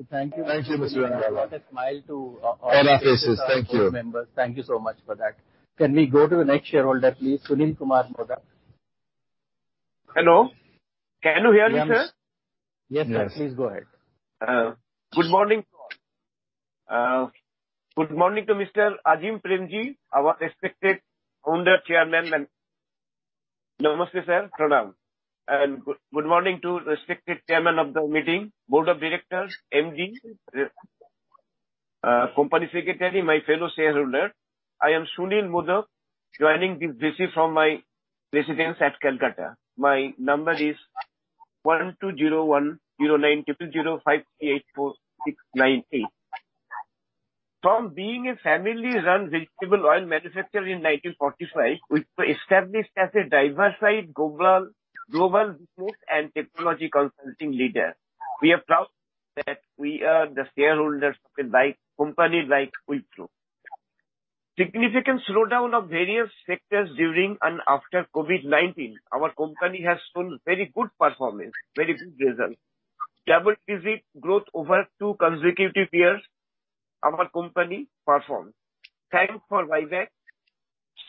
Thank you, Mr. Rangwala. Thank you. brought a smile On our faces. Thank you. Thank you so much for that. Can we go to the next shareholder, please? Sunil Kumar Moda. Hello. Can you hear me, sir? Yes, sir. Please go ahead. Good morning. Good morning to Mr. Azim Premji, our respected Owner, Chairman, and... Namaste, sir, pranam, and good morning to respected Chairman of the meeting, Board of Directors, MD, Company Secretary, my fellow shareholder. I am Sunil Moda, joining this from my residence at Kolkata. My number is 120109220584698. From being a family-run vegetable oil manufacturer in 1945, we established as a diversified global business and technology consulting leader. We are proud that we are the shareholders in like company like Wipro. Significant slowdown of various sectors during and after COVID-19, our company has shown very good performance, very good results. Double-digit growth over two consecutive years, our company performed. Thank for buyback.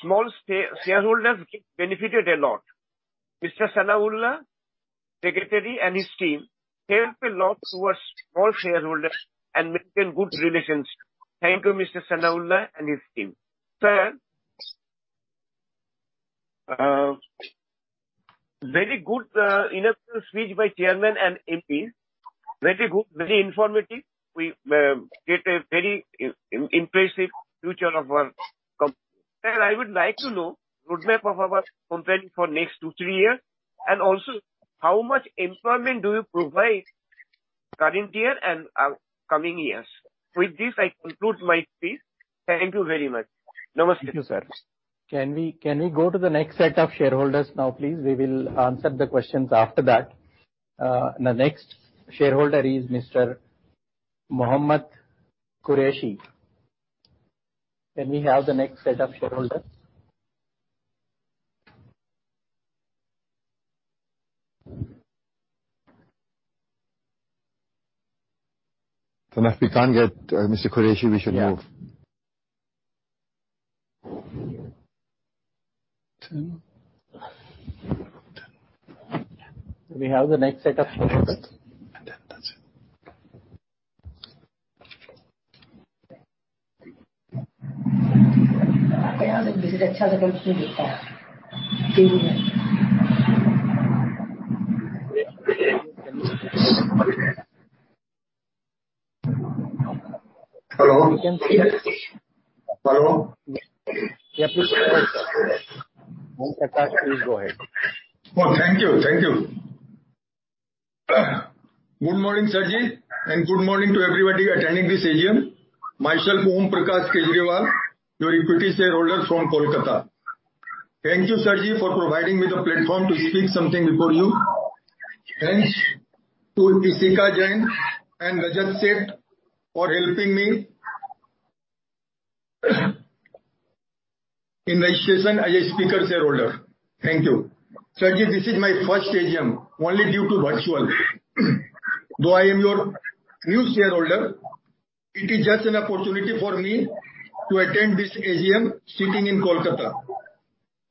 Small share, shareholders benefited a lot. Mr. Sanahullah, Secretary and his team, helped a lot towards small shareholders and maintain good relations. Thank you, Mr. Sanahullah and his team. Sir, very good inaugural speech by Chairman and MPs. Very good, very informative. We get a very impressive future of our company. Sir, I would like to know roadmap of our company for next two, three years, and also how much employment do you provide current year and coming years? With this, I conclude my speech. Thank you very much. Namaste, sir. Thank you, sir. Can we go to the next set of shareholders now, please? We will answer the questions after that. The next shareholder is Mr. Mohammed Qureshi. Can we have the next set of shareholders? If we can't get, Mr. Qureshi, we should move. Can we have the next set of shareholders? That's it. Hello? Hello. Please go ahead. Thank you. Thank you. Good morning, Sirji, good morning to everybody attending this AGM. Myself, Om Prakash Kejriwal, your equity shareholder from Kolkata. Thank you, Sirji, for providing me the platform to speak something before you. Thanks to Ishika Jain and Rajat Shet for helping me in registration as a speaker shareholder. Thank you. Sir, this is my first AGM, only due to virtual. Though I am your new shareholder, it is just an opportunity for me to attend this AGM sitting in Kolkata.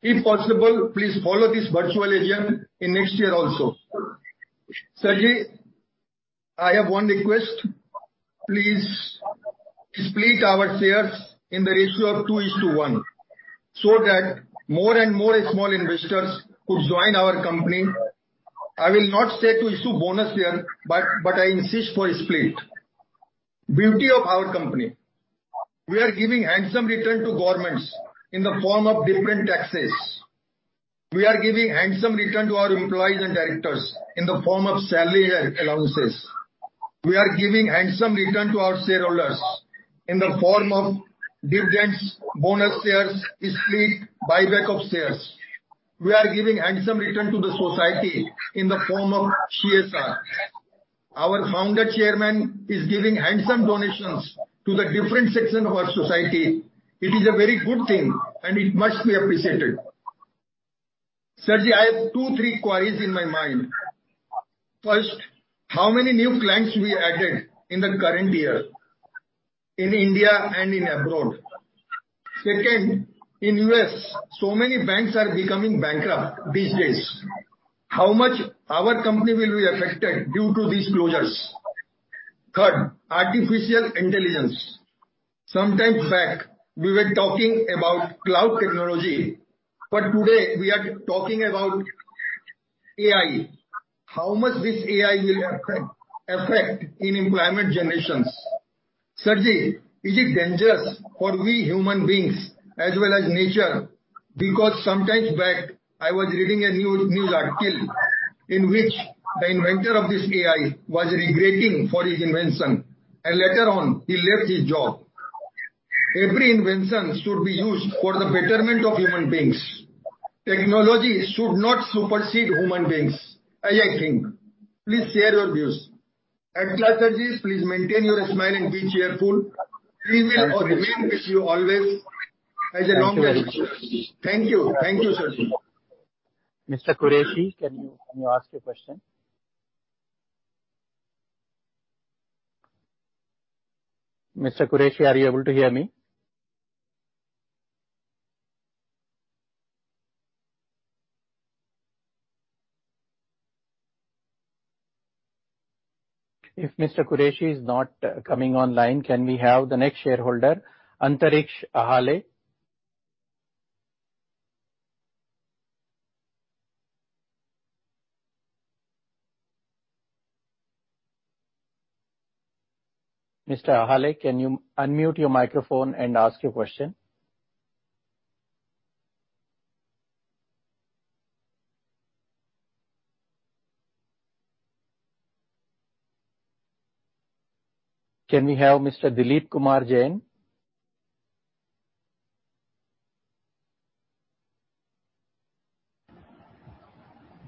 If possible, please follow this virtual AGM in next year also. Sir, I have one request. Please split our shares in the ratio of 2:1, so that more and more small investors could join our company. I will not say to issue bonus share, but I insist for a split. Beauty of our company, we are giving handsome return to governments in the form of different taxes. We are giving handsome return to our employees and directors in the form of salary and allowances. We are giving handsome return to our shareholders in the form of dividends, bonus shares, split, buyback of shares. We are giving handsome return to the society in the form of CSR. Our Founder Chairman is giving handsome donations to the different section of our society. It is a very good thing, and it must be appreciated. Sir, I have two, three queries in my mind. First, how many new clients we added in the current year, in India and in abroad? Second, in U.S., so many banks are becoming bankrupt these days. How much our company will be affected due to these closures? Third, artificial intelligence. Sometimes back, we were talking about cloud technology, but today we are talking about AI. How much this AI will affect in employment generations? Sir, is it dangerous for we human beings as well as nature? Sometimes back, I was reading a news article in which the inventor of this AI was regretting for his invention, and later on, he left his job. Every invention should be used for the betterment of human beings. Technology should not supersede human beings, as I think. Please share your views. At last, Sir, please maintain your smile and be cheerful. We will remain with you always as a long way. Thank you. Thank you, sir. Mr. Mohammed Qureshi, can you ask your question? Mr. Mohammed Qureshi, are you able to hear me? Mr. Mohammed Qureshi is not coming online, can we have the next shareholder, Antariksh Ahale? Mr. Ahale, can you unmute your microphone and ask your question? Can we have Mr. Dilip Kumar Jain?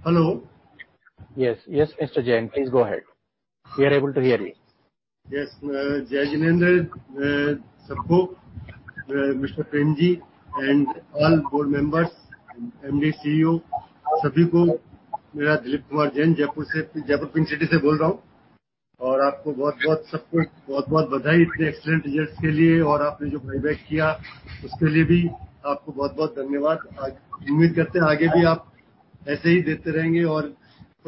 Hello. Yes, yes, Mr. Jain, please go ahead. We are able to hear you. Yes, Jai Jinendra, sabko, Mr. Premji and all board members, MD, CEO, sabiko, mera Dilip Kumar Jain, Jaipur se, Jaipur, Pink City se bol raha hun. Aapko bahot sabko bahot badhai itne excellent results ke liye aur aapne jo buyback kiya, uske liye bhi aapko bahot dhanyavad. Umeed karte hai agar bhi aap aise hi dete rahenge aur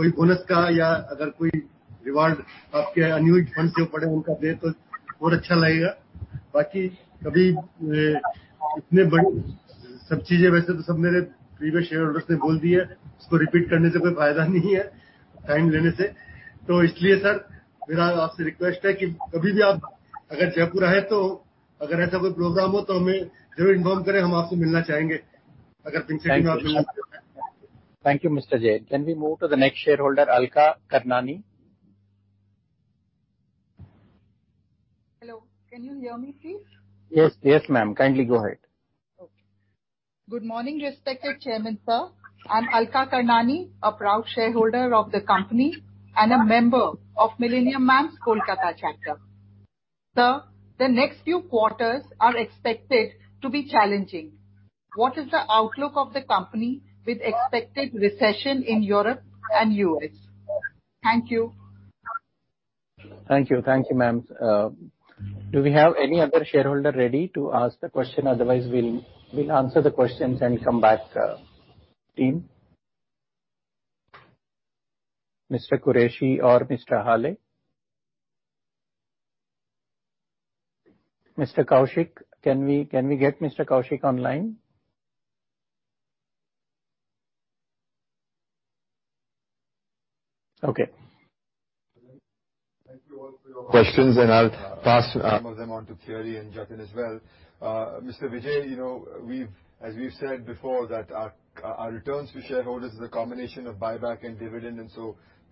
koi bonus ka ya agar koi reward aapke unused funds jo pade hai, unka de toh aur achcha lagega. Baaki kabhi, itne badi sab cheezein waise toh sab mere previous shareholders ne bol di hai. Usko repeat karne se koi faeda nahi hai, time lene se. Isliye sir, mera aapse request hai ki kabhi bhi aap agar Jaipur aaye, toh agar aisa koi program ho, toh hume zaroor inform karein, hum aapse milna chahenge. Agar Pink City mein aap. Thank you, Mr. Jain. Can we move to the next shareholder, Alka Karnani? Hello. Can you hear me, please? Yes, yes, ma'am. Kindly go ahead. Okay. Good morning, respected Chairman, sir. I'm Alka Karnani, a proud shareholder of the company and a member of Millennium Mams' Kolkata chapter. Sir, the next few quarters are expected to be challenging. What is the outlook of the company with expected recession in Europe and U.S.? Thank you. Thank you. Thank you, Ma'am. Do we have any other shareholder ready to ask the question? Otherwise, we'll answer the questions and come back, team. Mr. Qureshi or Mr. Ahale? Mr. Kaushik, can we get Mr. Kaushik online? Okay. Thank you all for your questions. I'll pass some of them on to Thierry and Jatin as well. Mr. Vijay, you know, we've as we've said before, that our returns to shareholders is a combination of buyback and dividend.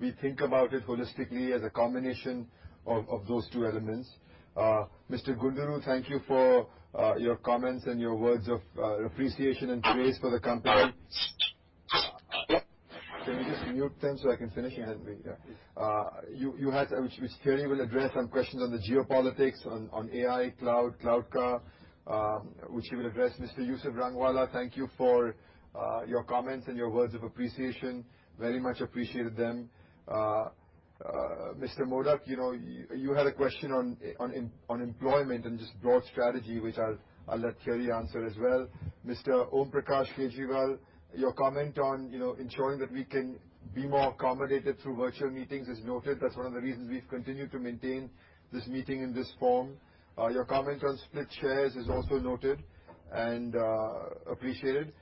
We think about it holistically as a combination of those two elements. Mr. Gundalu, thank you for your comments and your words of appreciation and praise for the company. Can you mute them so I can finish? He hasn't been, yeah. You had, which Thierry will address some questions on the geopolitics, on AI, cloud, Cloud Car, which he will address. Mr. Yusuf Rangwala, thank you for your comments and your words of appreciation. Very much appreciated them. Mr. Moda, you know, you had a question on employment and just broad strategy, which I'll let Thierry answer as well. Mr. Om Prakash Kejriwal, your comment on, you know, ensuring that we can be more accommodated through virtual meetings is noted. That's one of the reasons we've continued to maintain this meeting in this form. Your comment on split shares is also noted and appreciated.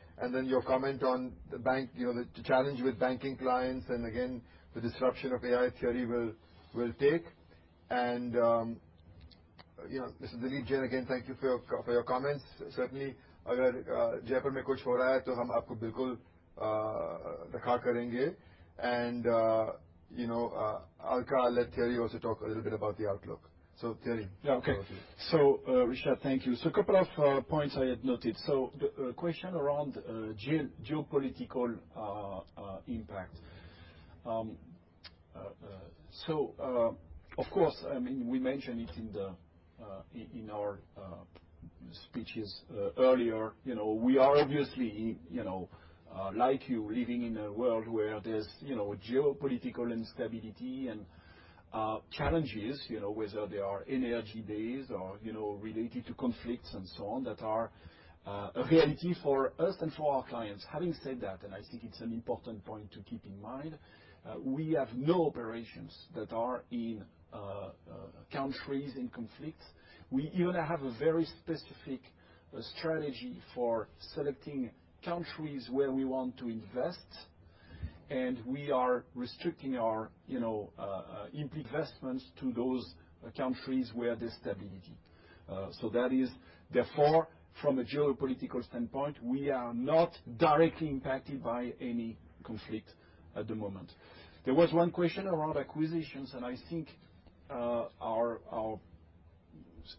Your comment on the bank, you know, the challenge with banking clients, and again, the disruption of AI, Thierry will take. You know, Mr. Dilip Jain, again, thank you for your comments. Certainly, agar Jaipur mein kuch ho raha hai toh hum aapko bilkul rakha karenge. You know, Alka, I'll let Thierry also talk a little bit about the outlook. Thierry. Okay. Rishad, thank you. A couple of points I had noted. The question around geopolitical impact. Of course, I mean, we mentioned it in our speeches earlier. You know, we are obviously, you know, like you, living in a world where there's, you know, geopolitical instability and challenges, you know, whether they are energy-based or, you know, related to conflicts and so on, that are a reality for us and for our clients. Having said that, and I think it's an important point to keep in mind, we have no operations that are in countries in conflict. We even have a very specific strategy for selecting countries where we want to invest. We are restricting our, you know, investments to those countries where there's stability. That is, therefore, from a geopolitical standpoint, we are not directly impacted by any conflict at the moment. There was one question around acquisitions. I think our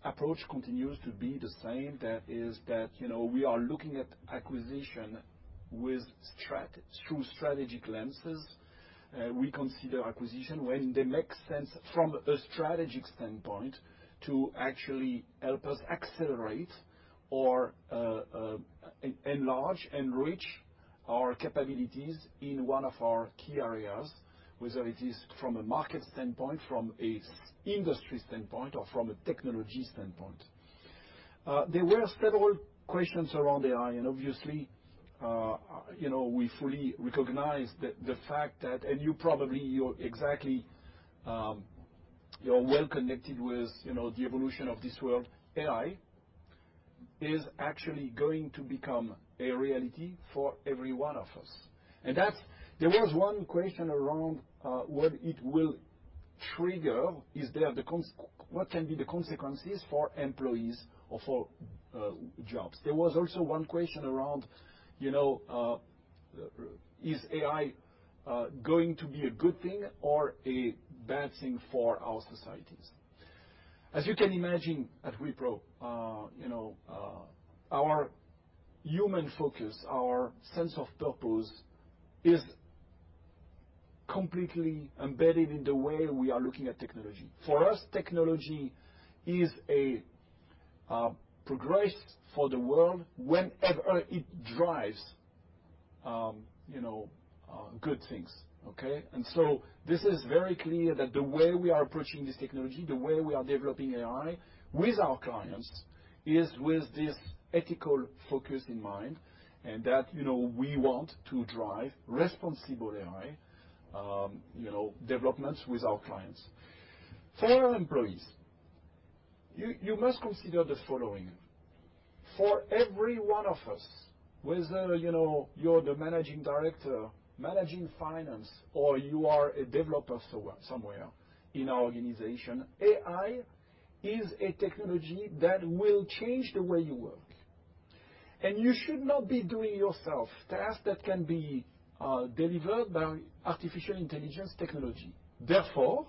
approach continues to be the same. That is that, you know, we are looking at acquisition through strategic lenses. We consider acquisition when they make sense from a strategic standpoint to actually help us accelerate or enlarge, enrich our capabilities in one of our key areas, whether it is from a market standpoint, from a industry standpoint, or from a technology standpoint. There were several questions around AI. Obviously, you know, we fully recognize. You probably, you're exactly, you're well connected with, you know, the evolution of this world. AI is actually going to become a reality for every one of us. There was one question around what it will trigger. What can be the consequences for employees or for jobs? There was also one question around, you know, is AI going to be a good thing or a bad thing for our societies? As you can imagine, at Wipro, you know, our human focus, our sense of purpose, is completely embedded in the way we are looking at technology. For us, technology is progress for the world whenever it drives, you know, good things, okay? This is very clear that the way we are approaching this technology, the way we are developing AI with our clients, is with this ethical focus in mind, and that, you know, we want to drive responsible AI, you know, developments with our clients. For our employees, you must consider the following: For every one of us, whether, you know, you're the managing director, managing finance, or you are a developer somewhere in our organization, AI is a technology that will change the way you work, and you should not be doing yourself tasks that can be delivered by artificial intelligence technology. Therefore,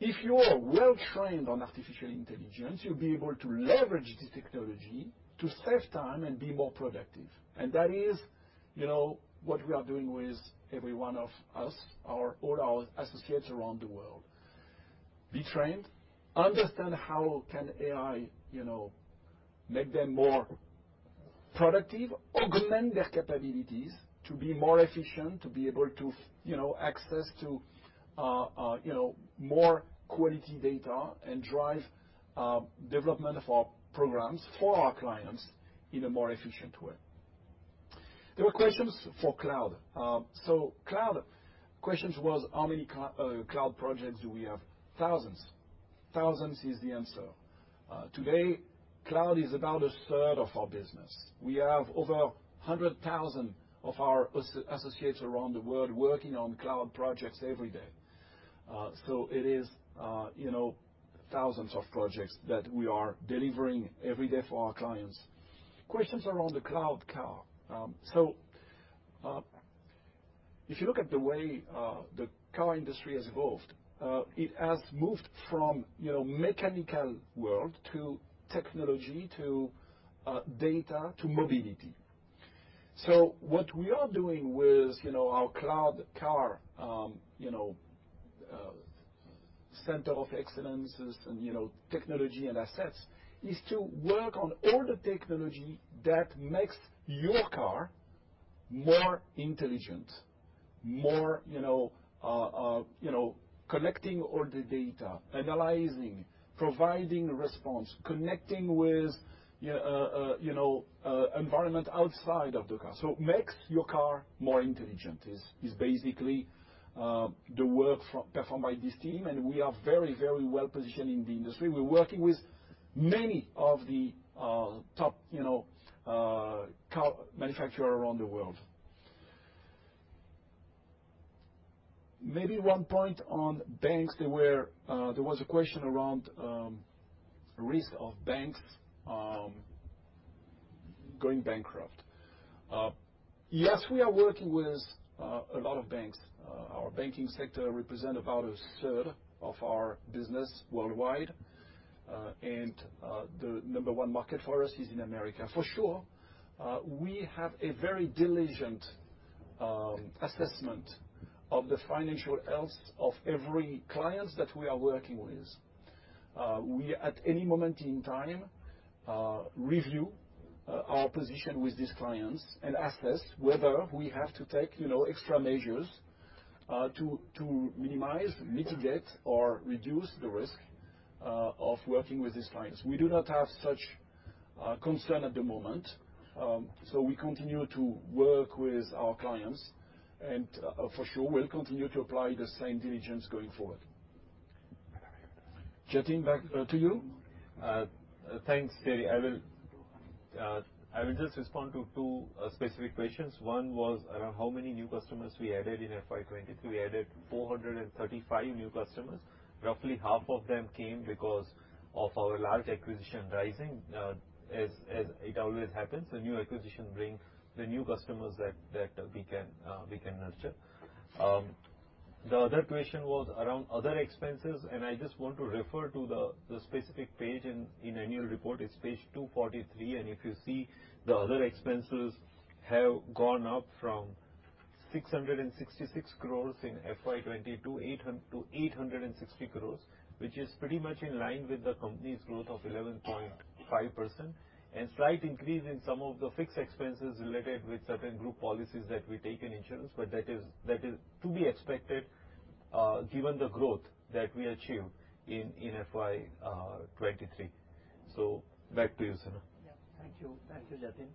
if you are well-trained on artificial intelligence, you'll be able to leverage the technology to save time and be more productive. That is, you know, what we are doing with every one of us, all our associates around the world. Be trained, understand how can AI, you know, make them more productive, augment their capabilities to be more efficient, to be able to, you know, access to, you know, more quality data and drive development of our programs for our clients in a more efficient way. There were questions for cloud. Cloud questions was: How many cloud projects do we have? Thousands. Thousands is the answer. Today, cloud is about 1/3 of our business. We have over 100,000 of our associates around the world working on cloud projects every day. It is, you know, thousands of projects that we are delivering every day for our clients. Questions around the Cloud Car. If you look at the way the car industry has evolved, it has moved from, you know, mechanical world to technology, to data, to mobility. What we are doing with, you know, our Cloud Car, you know, center of excellences and, you know, technology and assets, is to work on all the technology that makes your car more intelligent, more, you know, collecting all the data, analyzing, providing response, connecting with, you know, environment outside of the car. Makes your car more intelligent is basically the work performed by this team, and we are very, very well positioned in the industry. We're working with many of the top, you know, car manufacturer around the world. Maybe one point on banks, there was a question around risk of banks going bankrupt. Yes, we are working with a lot of banks. Our banking sector represent about a third of our business worldwide. The number one market for us is in America. For sure, we have a very diligent assessment of the financial health of every clients that we are working with. We, at any moment in time, review our position with these clients and assess whether we have to take, you know, extra measures to minimize, mitigate, or reduce the risk of working with these clients. We do not have such concern at the moment, we continue to work with our clients, for sure we'll continue to apply the same diligence going forward. Jatin, back to you. Thanks, Thierry. I will just respond to two specific questions. One was around how many new customers we added in FY 2023. We added 435 new customers. Roughly half of them came because of our large acquisition, Rizing. As it always happens, the new acquisition bring the new customers that we can nurture. The other question was around other expenses, I just want to refer to the specific page in annual report. It's page 243, if you see, the other expenses have gone up from 666 crores in FY 2022 to 860 crores, which is pretty much in line with the company's growth of 11.5%. slight increase in some of the fixed expenses related with certain group policies that we take in insurance, but that is to be expected, given the growth that we achieved in FY 2023. back to you, Sunil. Yeah. Thank you. Thank you, Jatin.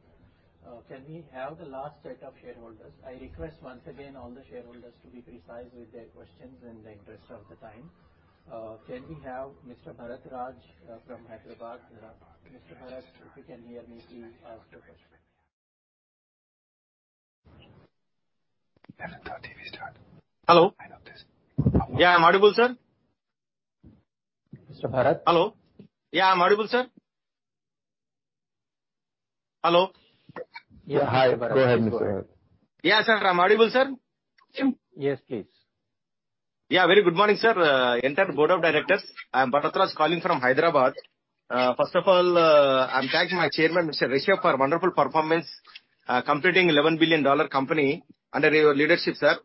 Can we have the last set of shareholders? I request once again all the shareholders to be precise with their questions in the interest of the time. Can we have Mr. Bharat Raj from Hyderabad? Mr. Bharat, if you can hear me, please ask your question. Hello? Yeah, I'm audible, sir. Mr. Bharat? Hello. Yeah, I'm audible, sir. Hello? Yeah. Hi. Go ahead, Mr. Bharat. Sir, I'm audible, sir? Yes, please. Very good morning, sir, entire board of directors. I'm Bharat Raj, calling from Hyderabad. First of all, I'm thank my Chairman, Mr. Rishad Premji, for a wonderful performance, completing 11 billion dollar company under your leadership, sir.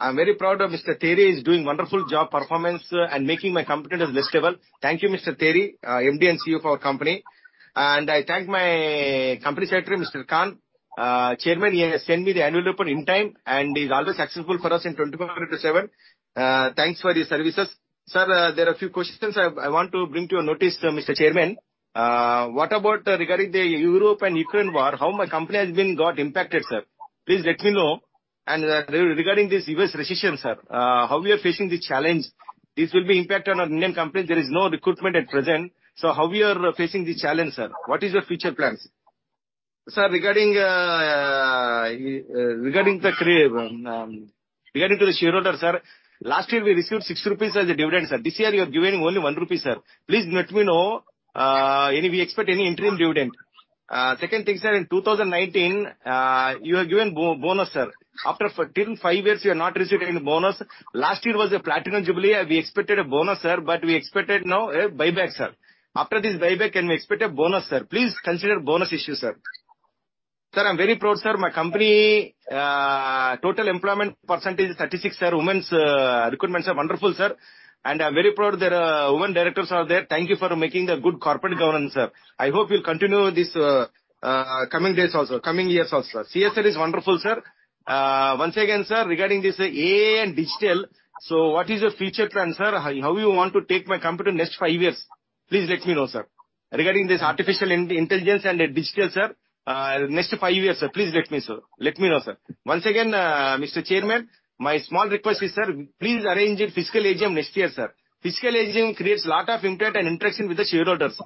I'm very proud of Mr. Thierry Delaporte is doing wonderful job performance and making my company to the next level. Thank you, Mr. Thierry Delaporte, MD and CEO for our company. I thank my Company Secretary, Mr. Khan. Chairman, he has sent me the annual report in time, and he's always accessible for us in 24 into seven. Thanks for your services. Sir, there are a few questions I want to bring to your notice, Mr. Chairman. What about regarding the Europe and Ukraine war? How my company has been got impacted, sir? Please let me know. Regarding this U.S. recession, sir, how we are facing the challenge? This will be impact on our Indian company. There is no recruitment at present. How we are facing the challenge, sir? What is your future plans? Sir, regarding the shareholder, sir, last year we received 6 rupees as a dividend, sir. This year, you have given only 1 rupee, sir. Please let me know, we expect any interim dividend. Second thing, sir, in 2019, you have given bonus, sir. After till five years, you have not received any bonus. Last year was a platinum jubilee. We expected a bonus, sir. We expected now a buyback, sir. After this buyback, can we expect a bonus, sir? Please consider bonus issue, sir. Sir, I'm very proud, sir. My company, total employment percentage is 36, sir. Women's recruitments are wonderful, sir. I'm very proud there are women directors are there. Thank you for making a good corporate governance, sir. I hope you'll continue this coming days also, coming years also, sir. CSR is wonderful, sir. Once again, sir, regarding this AI and digital, what is your future plan, sir? How you want to take my company next five years? Please let me know, sir. Regarding this artificial intelligence and digital, sir, next five years, sir, please let me know, sir. Once again, Mr. Chairman, my small request is, sir, please arrange a physical AGM next year, sir. Physical AGM creates lot of impact and interaction with the shareholders.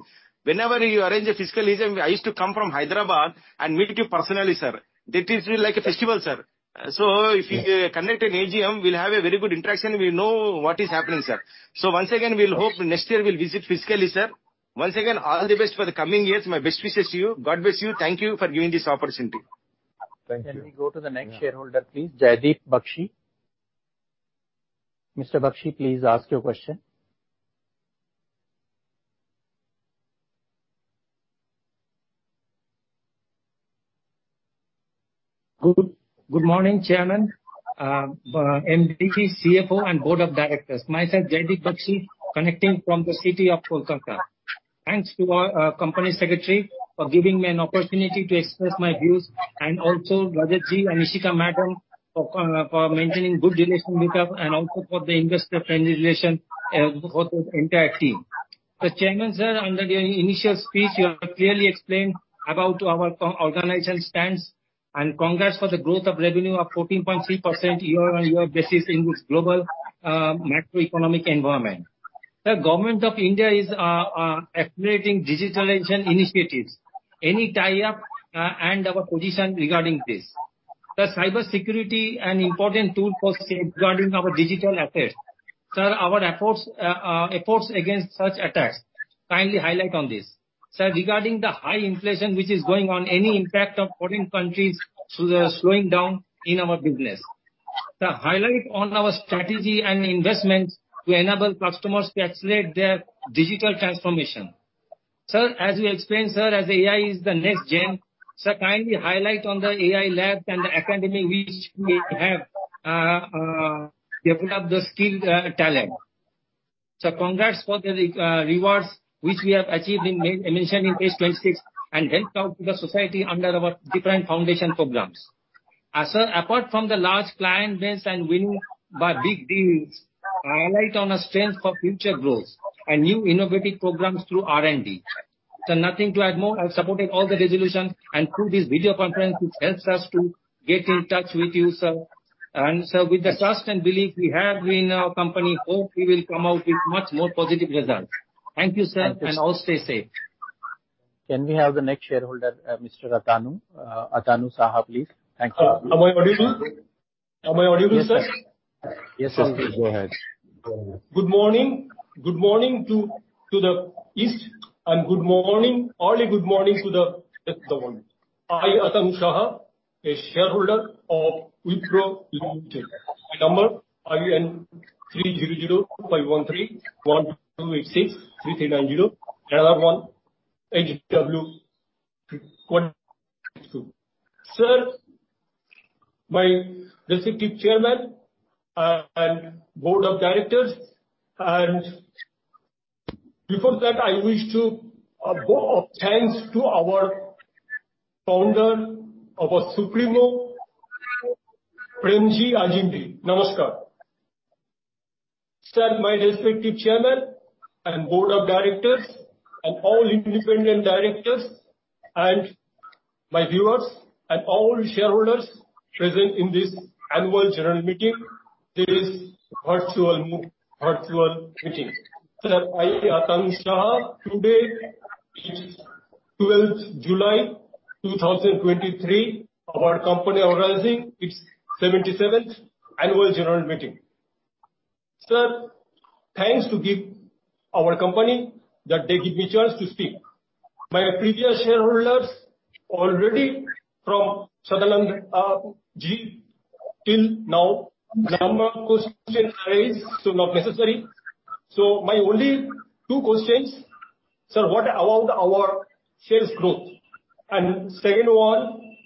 Whenever you arrange a physical AGM, I used to come from Hyderabad and meet you personally, sir. That is like a festival, sir. If you conduct an AGM, we'll have a very good interaction, we know what is happening, sir. Once again, we'll hope next year we'll visit physically, sir. Once again, all the best for the coming years. My best wishes to you. God bless you. Thank you for giving this opportunity. Thank you. Can we go to the next shareholder, please? Jaideep Bakshi. Mr. Bakshi, please ask your question. Good morning, Chairman, MD, CFO, and Board of Directors. Myself, Jaideep Bakshi, connecting from the city of Kolkata. Thanks to our Company Secretary for giving me an opportunity to express my views, and also Rajat Ji and Ishika Madam, for maintaining good relationship with them, and also for the investor friendly relation for the entire team. Chairman, sir, under your initial speech, you have clearly explained about our co- organization stands, and congrats for the growth of revenue of 14.3% year-on-year basis in this global macroeconomic environment. The Government of India is accelerating digitalization initiatives. Any tie-up and our position regarding this? The cybersecurity an important tool for safeguarding our digital assets. Sir, our efforts against such attacks, kindly highlight on this. Sir, regarding the high inflation which is going on, any impact of foreign countries through the slowing down in our business. Sir, highlight on our strategy and investments to enable customers to accelerate their digital transformation. Sir, as you explained, sir, as AI is the next gen, sir, kindly highlight on the AI lab and the academy which we have to develop the skilled talent. Congrats for the rewards, which we have achieved mentioned in page 26, and helped out to the society under our different foundation programs. Sir, apart from the large client base and winning by big deals, highlight on our strength for future growth and new innovative programs through R&D. Sir, nothing to add more. I've supported all the resolutions and through this video conference, which helps us to get in touch with you, sir. Sir, with the trust and belief we have in our company, hope we will come out with much more positive results. Thank you, sir. Thank you. All stay safe. Can we have the next shareholder, Mr. Atanu Saha, please? Thank you. Am I audible? Am I audible, sir? Yes, sir. Go ahead. Good morning. Good morning to the east, and good morning, early good morning to the rest of the world. I, Atanu Saha, a shareholder of Wipro Limited. My number, IN 300251312863390. Another one, HW 42. Sir, my respected Chairman and Board of Directors, and before that, I wish to go off thanks to our founder, our supremo, Azim Premji, Namaskar. Sir, my respected Chairman and Board of Directors and all independent directors and my viewers and all shareholders present in this annual general meeting, this virtual meeting. Sir, I, Atanu Saha, today is 12th July, 2023, our company organizing its 77th annual general meeting. Sir, thanks to give our company that they give me chance to speak. My previous shareholders already from Southern Ji, till now, number of questions raised, so not necessary. My only two questions, sir, what about our sales growth? Second one,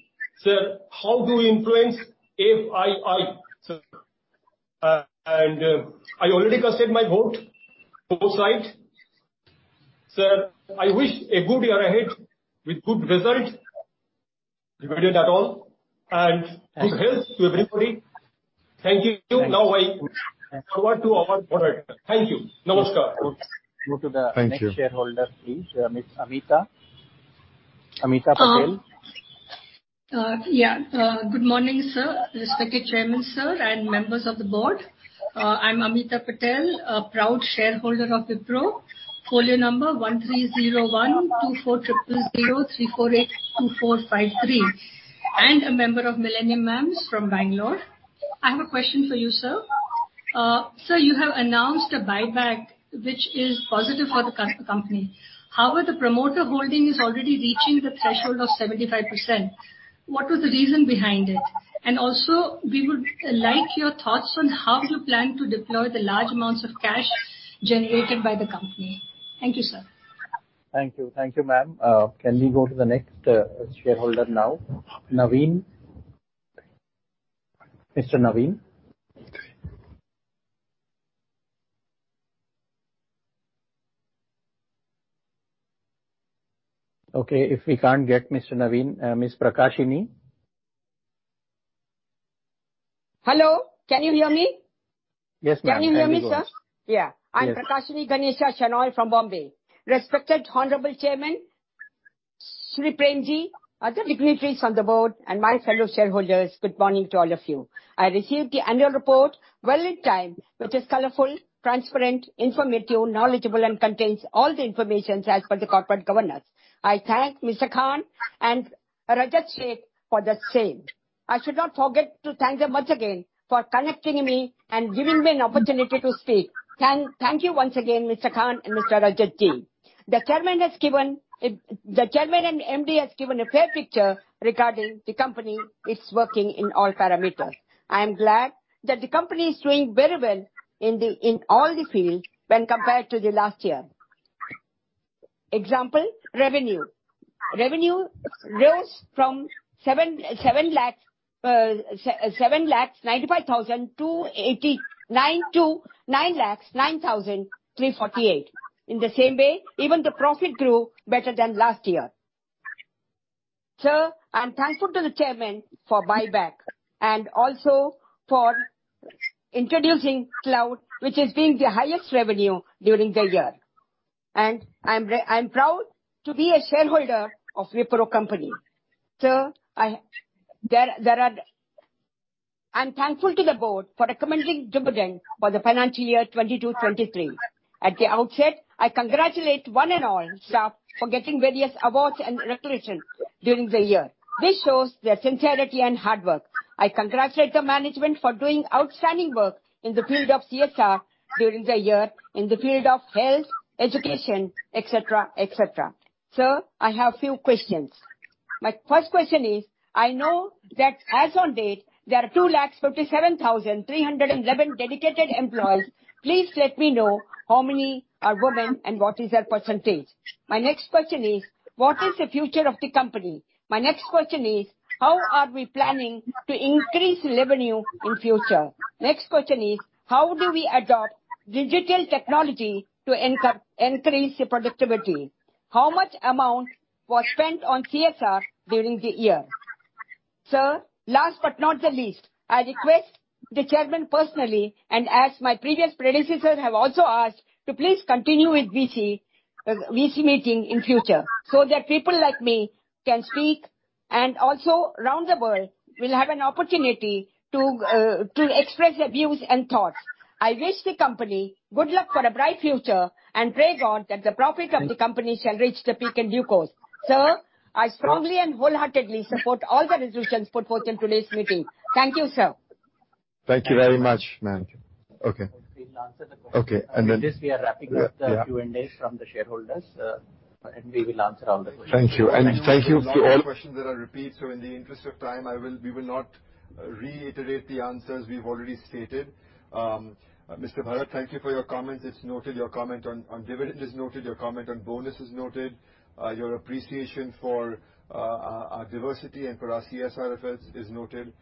sir, how do we influence FII, sir? I already casted my vote, both side. Sir, I wish a good year ahead with good result, divided at all… Thank you. good health to everybody. Thank you. Thank you. Now I forward to our director. Thank you. Namaskar. Good. Go to the- Thank you. next shareholder, please. Miss Amita. Amita Patel? Good morning, sir. Respected Chairman, sir, and members of the board. I'm Amita Patel, a proud shareholder of Wipro, folio number 1301240003482453, and a member of Millennium Mams' from Bangalore. I have a question for you, sir. Sir, you have announced a buyback, which is positive for the company. However, the promoter holding is already reaching the threshold of 75%. What was the reason behind it? We would like your thoughts on how you plan to deploy the large amounts of cash generated by the company. Thank you, sir. Thank you. Thank you, ma'am. Can we go to the next shareholder now? Naveen. Mr. Naveen? Okay, if we can't get Mr. Naveen, Ms. Prakashini? Hello, can you hear me? Yes, ma'am. Can you hear me, sir? Yes. Yeah. Yes. I'm Prakashini Ganesha Shenoy from Mumbai. Respected honorable Chairman, Sri Premji, other dignitaries on the board, my fellow shareholders, good morning to all of you. I received the annual report well in time, which is colorful, transparent, informative, knowledgeable, and contains all the information as per the corporate governance. I thank Mr. Sanaullah Khan and Rajat Shet for the same. I should not forget to thank them once again for connecting me and giving me an opportunity to speak. Thank you once again, Mr. Sanaullah Khan and Mr. Rajat Ji. The Chairman and MD has given a fair picture regarding the company, its working in all parameters. I am glad that the company is doing very well in all the fields when compared to the last year. Example, revenue. Revenue rose from 7 lakh 95,000 to 89 to 9 lakh 9,348. In the same way, even the profit grew better than last year. Sir, I'm thankful to the Chairman for buyback and also for introducing Cloud, which has been the highest revenue during the year. I'm proud to be a shareholder of Wipro Company. Sir, I'm thankful to the board for recommending dividend for the financial year 2022-2023. At the outset, I congratulate one and all staff for getting various awards and recognition during the year. This shows their sincerity and hard work. I congratulate the management for doing outstanding work in the field of CSR during the year, in the field of health, education, et cetera. Sir, I have few questions. My first question is: I know that as on date, there are 2,57,311 dedicated employees. Please let me know how many are women and what is their percentage? My next question is: what is the future of the company? My next question is: how are we planning to increase revenue in future? Next question is: how do we adopt digital technology to increase the productivity? How much amount was spent on CSR during the year? Sir, last but not the least, I request the Chairman personally, and as my previous predecessor have also asked, to please continue with VC meeting in future, so that people like me can speak, and also around the world will have an opportunity to express their views and thoughts. I wish the company good luck for a bright future, pray God that the profit of the company shall reach the peak in due course. Sir, I strongly and wholeheartedly support all the resolutions put forth in today's meeting. Thank you, Sir. Thank you very much, ma'am. Okay. We'll answer the question. Okay. This, we are wrapping up. Yeah, yeah. Q&A from the shareholders, and we will answer all the questions. Thank you, and thank you to all. A lot of questions that are repeat. In the interest of time, we will not reiterate the answers we've already stated. Mr. Bharat, thank you for your comments. It's noted. Your comment on dividend is noted. Your comment on bonus is noted. Your appreciation for our diversity and for our CSR efforts is noted.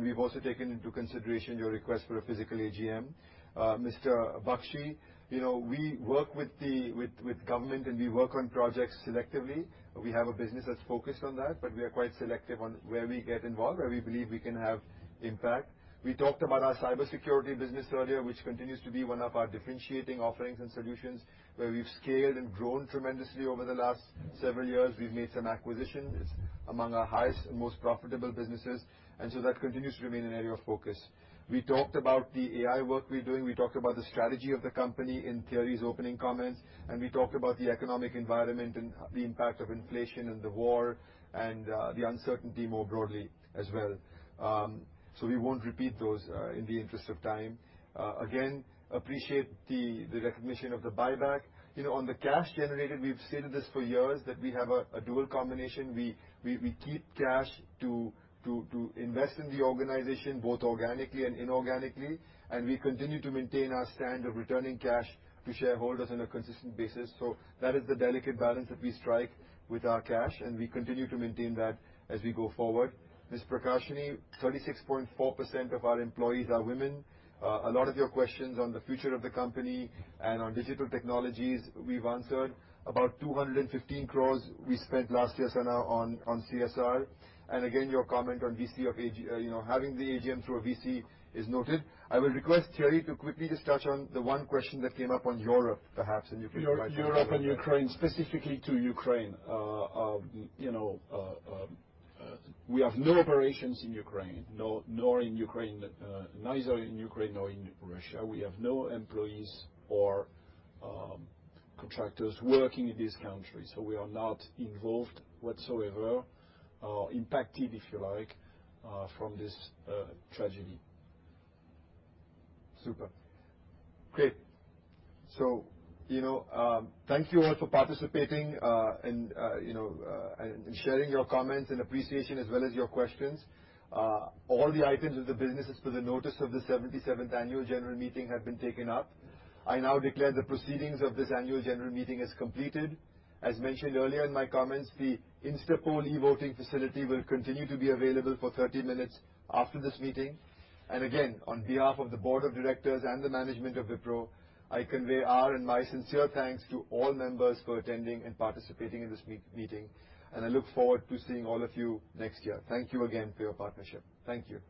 We've also taken into consideration your request for a physical AGM. Mr. Bakshi, you know, we work with the government, we work on projects selectively. We have a business that's focused on that, but we are quite selective on where we get involved, where we believe we can have impact. We talked about our cybersecurity business earlier, which continues to be one of our differentiating offerings and solutions, where we've scaled and grown tremendously over the last several years. We've made some acquisitions. It's among our highest and most profitable businesses. That continues to remain an area of focus. We talked about the AI work we're doing. We talked about the strategy of the company in Thierry's opening comments. We talked about the economic environment and the impact of inflation and the war, the uncertainty more broadly as well. We won't repeat those, in the interest of time. Appreciate the recognition of the buyback. You know, on the cash generated, we've stated this for years, that we have a dual combination. We keep cash to invest in the organization, both organically and inorganically, and we continue to maintain our standard of returning cash to shareholders on a consistent basis. That is the delicate balance that we strike with our cash, and we continue to maintain that as we go forward. Ms. Prakashini, 36.4% of our employees are women. A lot of your questions on the future of the company and on digital technologies, we've answered. About 215 crores we spent last year on CSR. Again, your comment on you know, having the AGM through a VC is noted. I will request Thierry to quickly just touch on the one question that came up on Europe, perhaps, and you can. Europe. Europe and Ukraine, specifically to Ukraine. You know, we have no operations in Ukraine. No, nor in Ukraine, neither in Ukraine nor in Russia. We have no employees or contractors working in this country, so we are not involved whatsoever, or impacted, if you like, from this tragedy. Super. Great. You know, thank you all for participating and, you know, and sharing your comments and appreciation as well as your questions. All the items of the businesses for the notice of the 77th Annual General Meeting have been taken up. I now declare the proceedings of this Annual General Meeting as completed. As mentioned earlier in my comments, the InstaPoll e-voting facility will continue to be available for 30 minutes after this meeting. Again, on behalf of the Board of Directors and the management of Wipro, I convey our and my sincere thanks to all members for attending and participating in this meeting, and I look forward to seeing all of you next year. Thank you again for your partnership. Thank you.